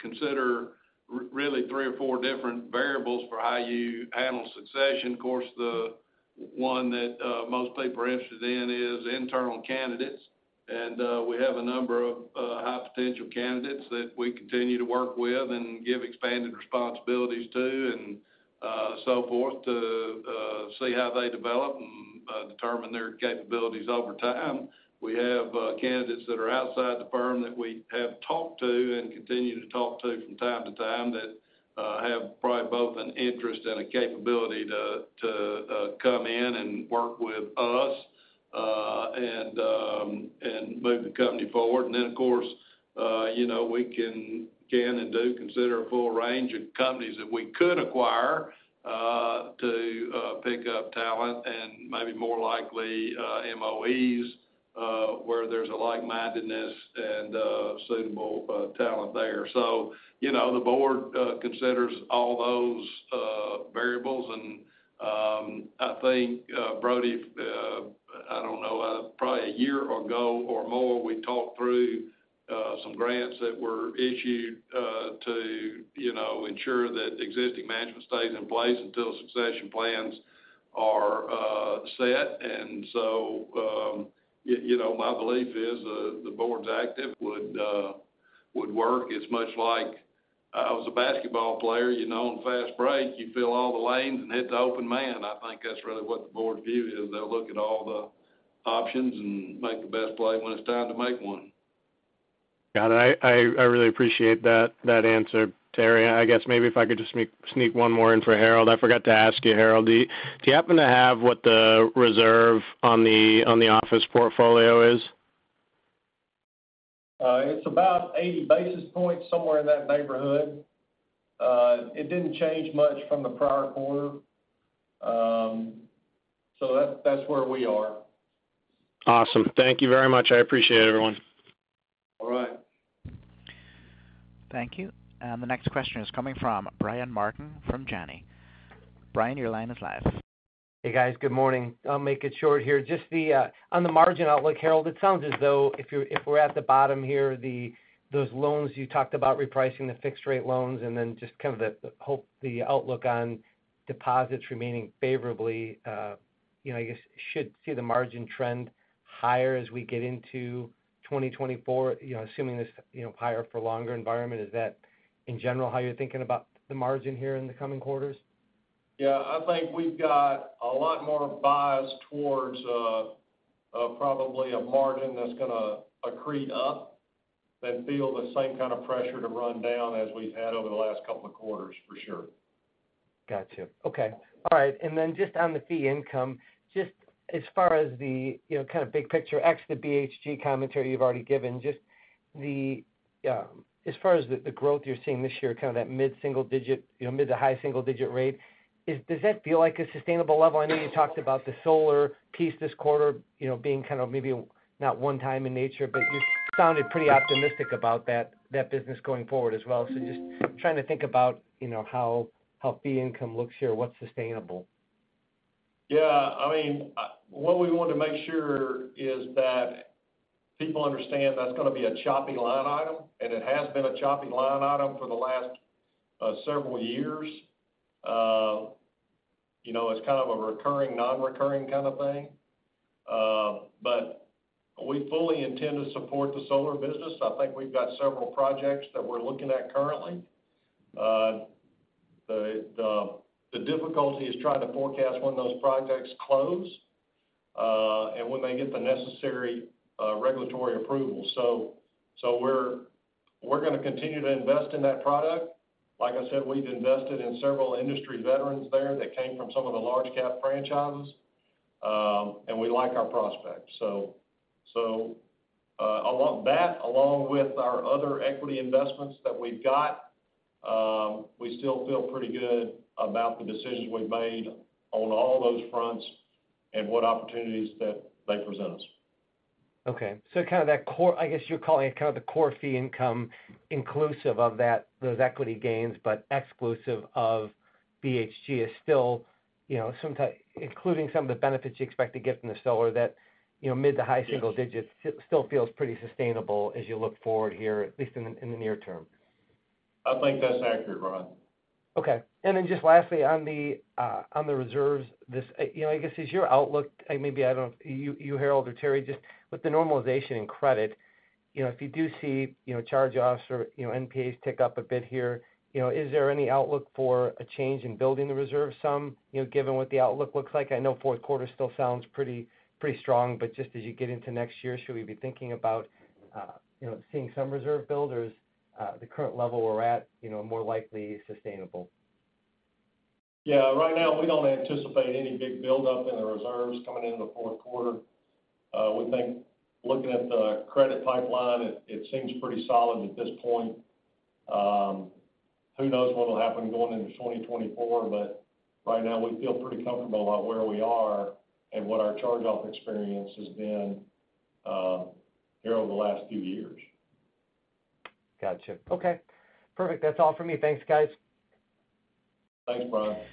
consider really three or four different variables for how you handle succession. Of course, the one that most people are interested in is internal candidates, and we have a number of high potential candidates that we continue to work with and give expanded responsibilities to and so forth, to see how they develop and determine their capabilities over time. We have candidates that are outside the firm that we have talked to and continue to talk to from time to time, that have probably both an interest and a capability to come in and work with us, and move the company forward. And then, of course, you know, we can and do consider a full range of companies that we could acquire, to pick up talent and maybe more likely, MOEs, where there's a like-mindedness and suitable talent there. So, you know, the board considers all those variables. And, I think, Brody, I don't know, probably a year ago or more, we talked through some grants that were issued to, you know, ensure that existing management stays in place until succession plans are set. And so, you, you know, my belief is, the board's active would work. It's much like I was a basketball player, you know, on fast break, you fill all the lanes and hit the open man. I think that's really what the board's view is. They'll look at all the options and make the best play when it's time to make one. Got it. I really appreciate that answer, Terry. I guess maybe if I could just sneak one more in for Harold. I forgot to ask you, Harold, do you happen to have what the reserve on the, on the office portfolio is? It's about 80 basis points, somewhere in that neighborhood. It didn't change much from the prior quarter. So that, that's where we are. Awesome. Thank you very much. I appreciate it, everyone. All right. Thank you. And the next question is coming from Brian Martin, from Janney. Brian, your line is live. Hey, guys. Good morning. I'll make it short here. Just the on the margin outlook, Harold, it sounds as though if we're at the bottom here, those loans you talked about repricing the fixed rate loans and then just kind of the hope, the outlook on deposits remaining favorably, you know, I guess, should see the margin trend higher as we get into 2024, you know, assuming this, you know, higher for longer environment. Is that, in general, how you're thinking about the margin here in the coming quarters? Yeah, I think we've got a lot more bias towards probably a margin that's going to accrete up than feel the same kind of pressure to run down as we've had over the last couple of quarters, for sure.... Gotcha. Okay. All right, and then just on the fee income, just as far as the, you know, kind of big picture, ex the BHG commentary you've already given, just the, as far as the, the growth you're seeing this year, kind of that mid-single digit, you know, mid to high single-digit rate, is, does that feel like a sustainable level? I know you talked about the solar piece this quarter, you know, being kind of maybe not one time in nature, but you sounded pretty optimistic about that, that business going forward as well. So just trying to think about, you know, how, how fee income looks here, what's sustainable. Yeah. I mean, what we want to make sure is that people understand that's going to be a choppy line item, and it has been a choppy line item for the last several years. You know, it's kind of a recurring, non-recurring kind of thing. But we fully intend to support the solar business. I think we've got several projects that we're looking at currently. The difficulty is trying to forecast when those projects close, and when they get the necessary regulatory approval. So, we're going to continue to invest in that product. Like I said, we've invested in several industry veterans there that came from some of the large cap franchises, and we like our prospects. So, along with our other equity investments that we've got, we still feel pretty good about the decisions we've made on all those fronts and what opportunities that they present us. Okay. So kind of that core, I guess, you're calling it kind of the core fee income, inclusive of that, those equity gains, but exclusive of BHG is still, you know, somewhat including some of the benefits you expect to get from the solar that, you know, mid to high single digits- Yes. Still feels pretty sustainable as you look forward here, at least in the, in the near term. I think that's accurate, Brian. Okay. And then just lastly, on the reserves, this, you know, I guess, is your outlook, and maybe I don't know, you, Harold or Terry, just with the normalization in credit, you know, if you do see, you know, charge-offs or, you know, NPS tick up a bit here, you know, is there any outlook for a change in building the reserve some, you know, given what the outlook looks like? I know fourth quarter still sounds pretty, pretty strong, but just as you get into next year, should we be thinking about, you know, seeing some reserve build or is, the current level we're at, you know, more likely sustainable? Yeah. Right now, we don't anticipate any big buildup in the reserves coming into the fourth quarter. We think looking at the credit pipeline, it seems pretty solid at this point. Who knows what will happen going into 2024, but right now, we feel pretty comfortable about where we are and what our charge-off experience has been, here over the last few years. Gotcha. Okay, perfect. That's all for me. Thanks, guys. Thanks, Brian.